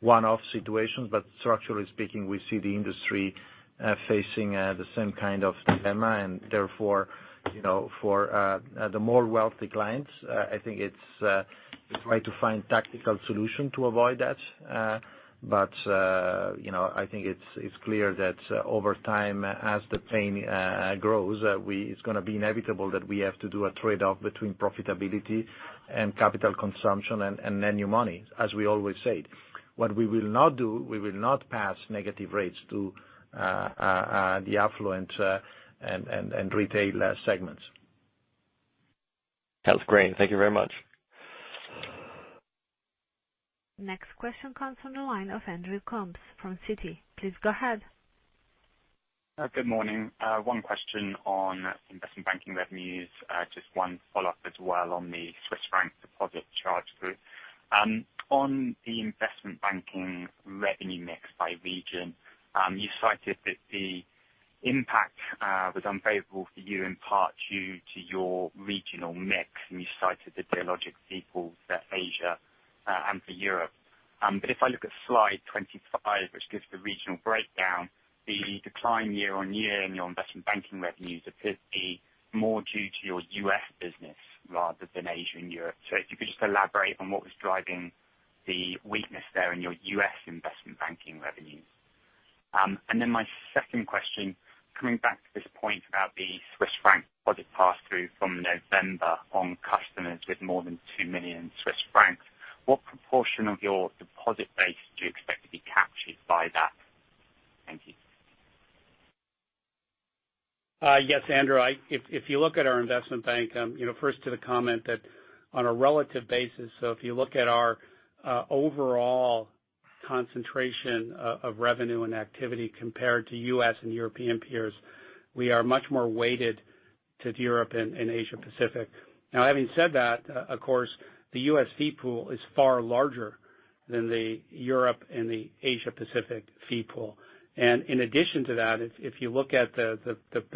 one-off situation, but structurally speaking, we see the industry facing the same kind of dilemma, and therefore, for the more wealthy clients, I think it's try to find tactical solution to avoid that. I think it's clear that over time, as the pain grows, it's going to be inevitable that we have to do a trade-off between profitability and capital consumption and new money, as we always said. What we will not do, we will not pass negative rates to the affluent and retail segments. Sounds great. Thank you very much. Next question comes from the line of Andrew Coombs from Citi. Please go ahead. Good morning. One question on investment banking revenues, just one follow-up as well on the Swiss franc deposit charge through. On the Investment Bank revenue mix by region, you cited that the impact was unfavorable for you in part due to your regional mix, and you cited the Dealogic fee pool for Asia and for Europe. If I look at slide 25, which gives the regional breakdown, the decline year-on-year in your Investment Bank revenues appears to be more due to your U.S. business rather than Asia and Europe. If you could just elaborate on what was driving the weakness there in your U.S. Investment Bank revenues. My second question, coming back to this point about the Swiss franc deposit pass-through from November on customers with more than 2 million Swiss francs. What proportion of your deposit base do you expect to be captured by that? Thank you. Yes, Andrew. If you look at our Investment Bank, first to the comment that on a relative basis, if you look at our overall concentration of revenue and activity compared to U.S. and European peers, we are much more weighted to Europe and Asia-Pacific. Having said that, of course, the U.S. fee pool is far larger than the Europe and the Asia-Pacific fee pool. In addition to that, if you look at the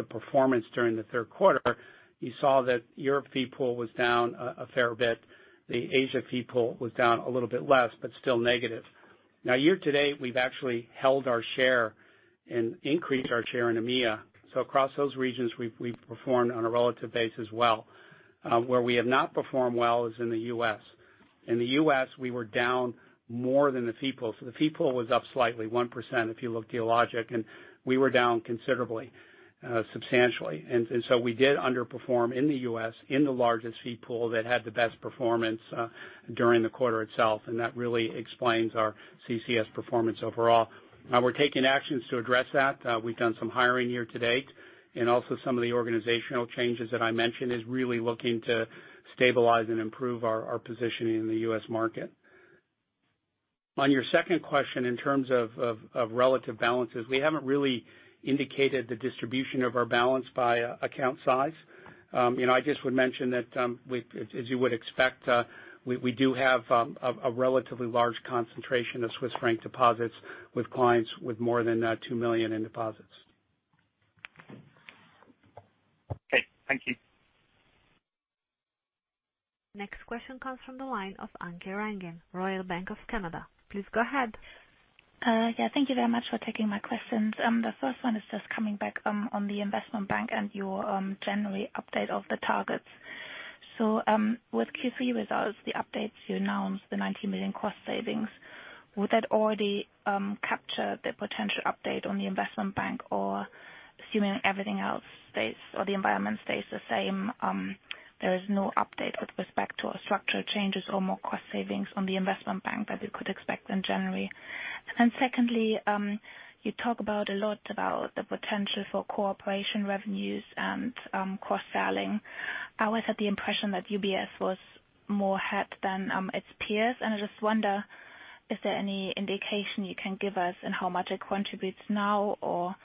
performance during the third quarter, you saw that Europe fee pool was down a fair bit. The Asia fee pool was down a little bit less, but still negative. Year to date, we've actually held our share and increased our share in EMEA. Across those regions, we've performed on a relative base as well. Where we have not performed well is in the U.S. In the U.S., we were down more than the fee pool. The fee pool was up slightly 1%, if you look Dealogic, and we were down considerably, substantially. We did underperform in the U.S. in the largest fee pool that had the best performance during the quarter itself, and that really explains our CCS performance overall. Now we're taking actions to address that. We've done some hiring year to date, and also some of the organizational changes that I mentioned is really looking to stabilize and improve our positioning in the U.S. market. On your second question, in terms of relative balances, we haven't really indicated the distribution of our balance by account size. I just would mention that as you would expect, we do have a relatively large concentration of CHF deposits with clients with more than 2 million in deposits. Okay. Thank you. Next question comes from the line of Anke Reingen, Royal Bank of Canada. Please go ahead. Yeah. Thank you very much for taking my questions. The first one is just coming back on the Investment Bank and your January update of the targets. With Q3 results, the updates you announced, the 90 million cost savings. Would that already capture the potential update on the Investment Bank, or assuming everything else stays or the environment stays the same, there is no update with respect to structural changes or more cost savings on the Investment Bank that we could expect in January? Secondly, you talk about a lot about the potential for cooperation revenues and cross-selling. I always had the impression that UBS was more hurt than its peers, and I just wonder, is there any indication you can give us in how much it contributes now or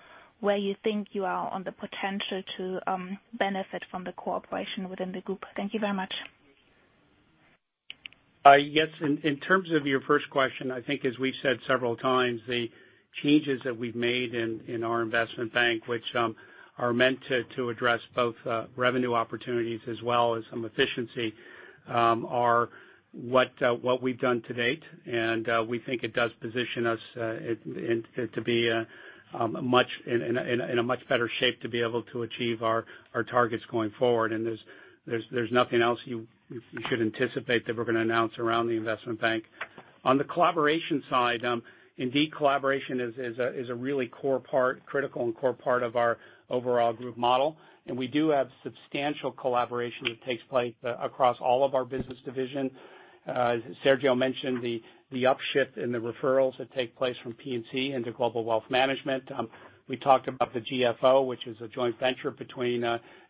where you think you are on the potential to benefit from the cooperation within the group? Thank you very much. Yes. In terms of your first question, I think as we've said several times, the changes that we've made in our Investment Bank, which are meant to address both revenue opportunities as well as some efficiency, are what we've done to date. We think it does position us in a much better shape to be able to achieve our targets going forward. There's nothing else you should anticipate that we're going to announce around the Investment Bank. On the collaboration side, indeed, collaboration is a really critical and core part of our overall group model, and we do have substantial collaboration that takes place across all of our business divisions. Sergio mentioned the upshift in the referrals that take place from P&C into Global Wealth Management. We talked about the GFO, which is a joint venture between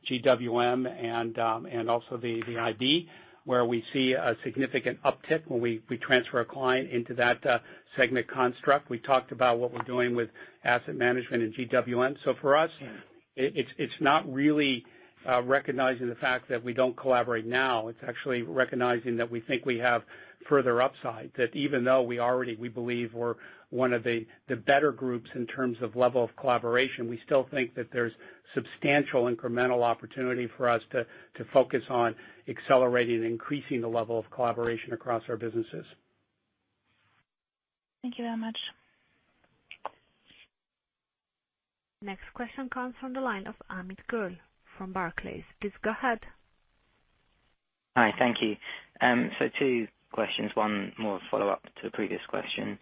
GWM and also the IB, where we see a significant uptick when we transfer a client into that segment construct. We talked about what we're doing with Asset Management and GWM. For us, it's not really recognizing the fact that we don't collaborate now. It's actually recognizing that we think we have further upside. Even though we believe we're one of the better groups in terms of level of collaboration, we still think that there's substantial incremental opportunity for us to focus on accelerating and increasing the level of collaboration across our businesses. Thank you very much. Next question comes from the line of Amit Goel from Barclays. Please go ahead. Hi. Thank you. Two questions, one more follow-up to the previous question.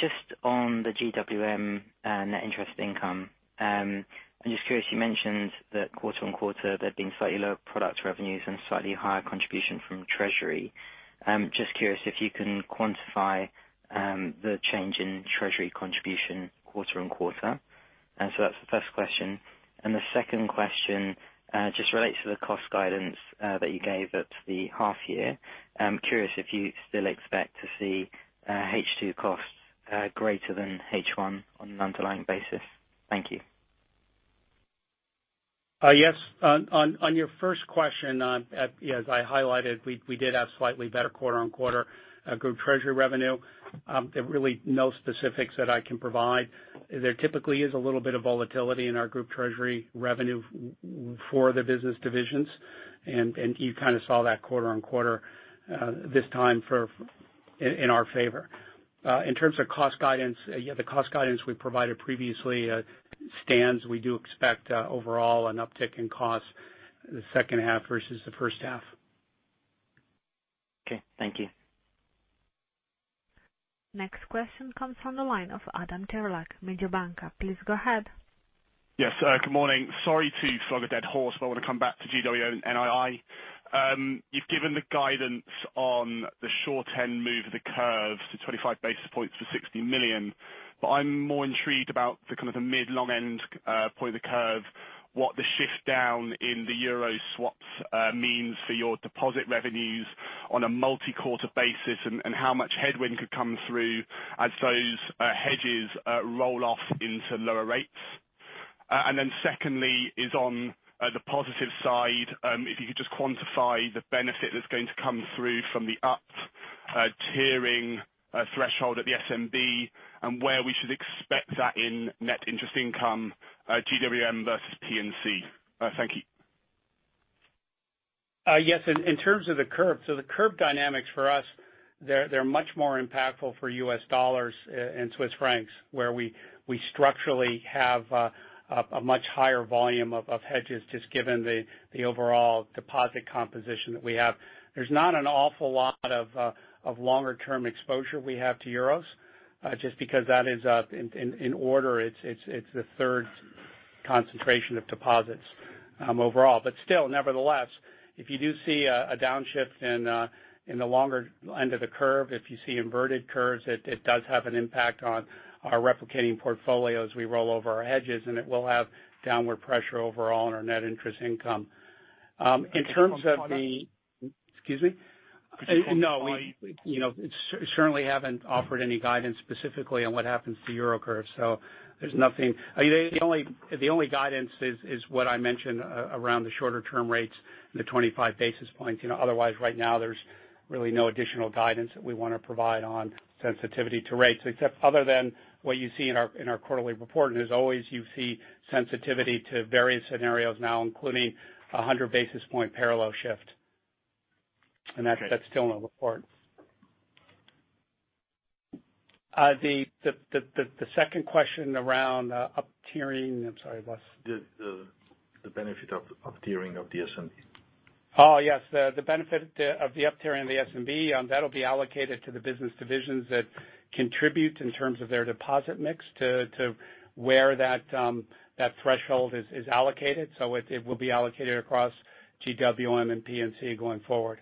Just on the GWM net interest income. I'm just curious, you mentioned that quarter on quarter there've been slightly lower product revenues and slightly higher contribution from treasury. I'm just curious if you can quantify the change in treasury contribution quarter on quarter. That's the first question. The second question just relates to the cost guidance that you gave at the half year. I'm curious if you still expect to see H2 costs greater than H1 on an underlying basis. Thank you. Yes. On your first question, as I highlighted, we did have slightly better quarter on quarter group treasury revenue. There are really no specifics that I can provide. There typically is a little bit of volatility in our group treasury revenue for the business divisions. You kind of saw that quarter on quarter this time in our favor. In terms of cost guidance, the cost guidance we provided previously stands. We do expect overall an uptick in cost the second half versus the first half. Okay. Thank you. Next question comes from the line of Adam Sherlock, Mediobanca. Please go ahead. Yes. Good morning. Sorry to flog a dead horse, but I want to come back to GWM and NII. You've given the guidance on the short-end move of the curve to 25 basis points for 60 million, but I'm more intrigued about the mid, long-end point of the curve. What the shift down in the euro swaps means for your deposit revenues on a multi-quarter basis, and how much headwind could come through as those hedges roll off into lower rates. Secondly is on the positive side, if you could just quantify the benefit that's going to come through from the up-tiering threshold at the SNB, and where we should expect that in net interest income, GWM versus P&C. Thank you. Yes. In terms of the curve. The curve dynamics for us, they're much more impactful for US dollars and Swiss francs, where we structurally have a much higher volume of hedges, just given the overall deposit composition that we have. There's not an awful lot of longer term exposure we have to euros, just because that is, in order, it's the third concentration of deposits overall. Still, nevertheless, if you do see a downshift in the longer end of the curve, if you see inverted curves, it does have an impact on our replicating portfolio as we roll over our hedges, and it will have downward pressure overall on our net interest income. Can you quantify that? Excuse me? Could you quantify? No. We certainly haven't offered any guidance specifically on what happens to euro curve. The only guidance is what I mentioned around the shorter term rates and the 25 basis points. Otherwise right now, there's really no additional guidance that we want to provide on sensitivity to rates, except other than what you see in our quarterly report. As always, you see sensitivity to various scenarios now, including 100 basis point parallel shift. Okay. That's still in the report. The second question around up-tiering. I'm sorry. The benefit of up-tiering of the SNB. Oh, yes. The benefit of the up-tiering of the SNB. That will be allocated to the business divisions that contribute in terms of their deposit mix to where that threshold is allocated. It will be allocated across GWM and P&C going forward.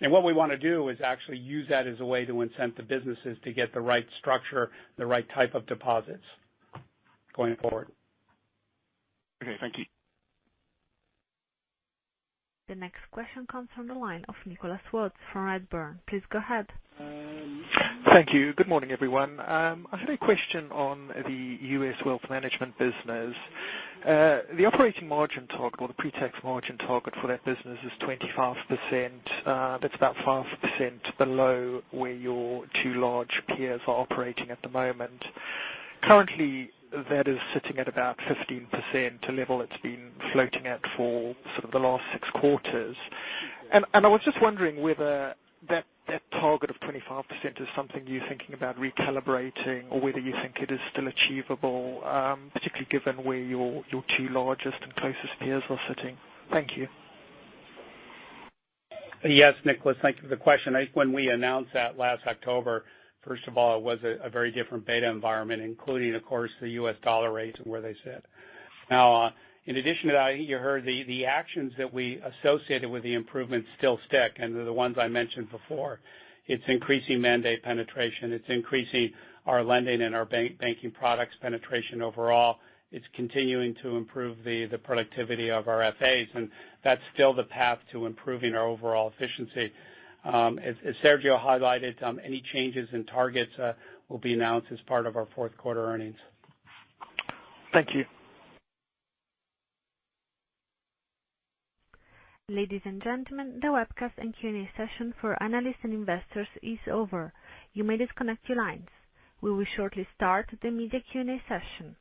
What we want to do is actually use that as a way to incent the businesses to get the right structure, the right type of deposits going forward. Okay. Thank you. The next question comes from the line of Nicholas Watts from Redburn. Please go ahead. Thank you. Good morning, everyone. I had a question on the U.S. Wealth Management business. The operating margin target or the pre-tax margin target for that business is 25%. That's about 5% below where your two large peers are operating at the moment. Currently, that is sitting at about 15%, a level it's been floating at for sort of the last six quarters. I was just wondering whether that target of 25% is something you're thinking about recalibrating or whether you think it is still achievable, particularly given where your two largest and closest peers are sitting. Thank you. Yes, Nicholas. Thank you for the question. I think when we announced that last October, first of all, it was a very different beta environment, including, of course, the U.S. dollar rates and where they sit. Now, in addition to that, you heard the actions that we associated with the improvements still stick. They're the ones I mentioned before. It's increasing mandate penetration. It's increasing our lending and our banking products penetration overall. It's continuing to improve the productivity of our FAs, and that's still the path to improving our overall efficiency. As Sergio highlighted, any changes in targets will be announced as part of our fourth quarter earnings. Thank you. Ladies and gentlemen, the webcast and Q&A session for analysts and investors is over. You may disconnect your lines. We will shortly start the media Q&A session.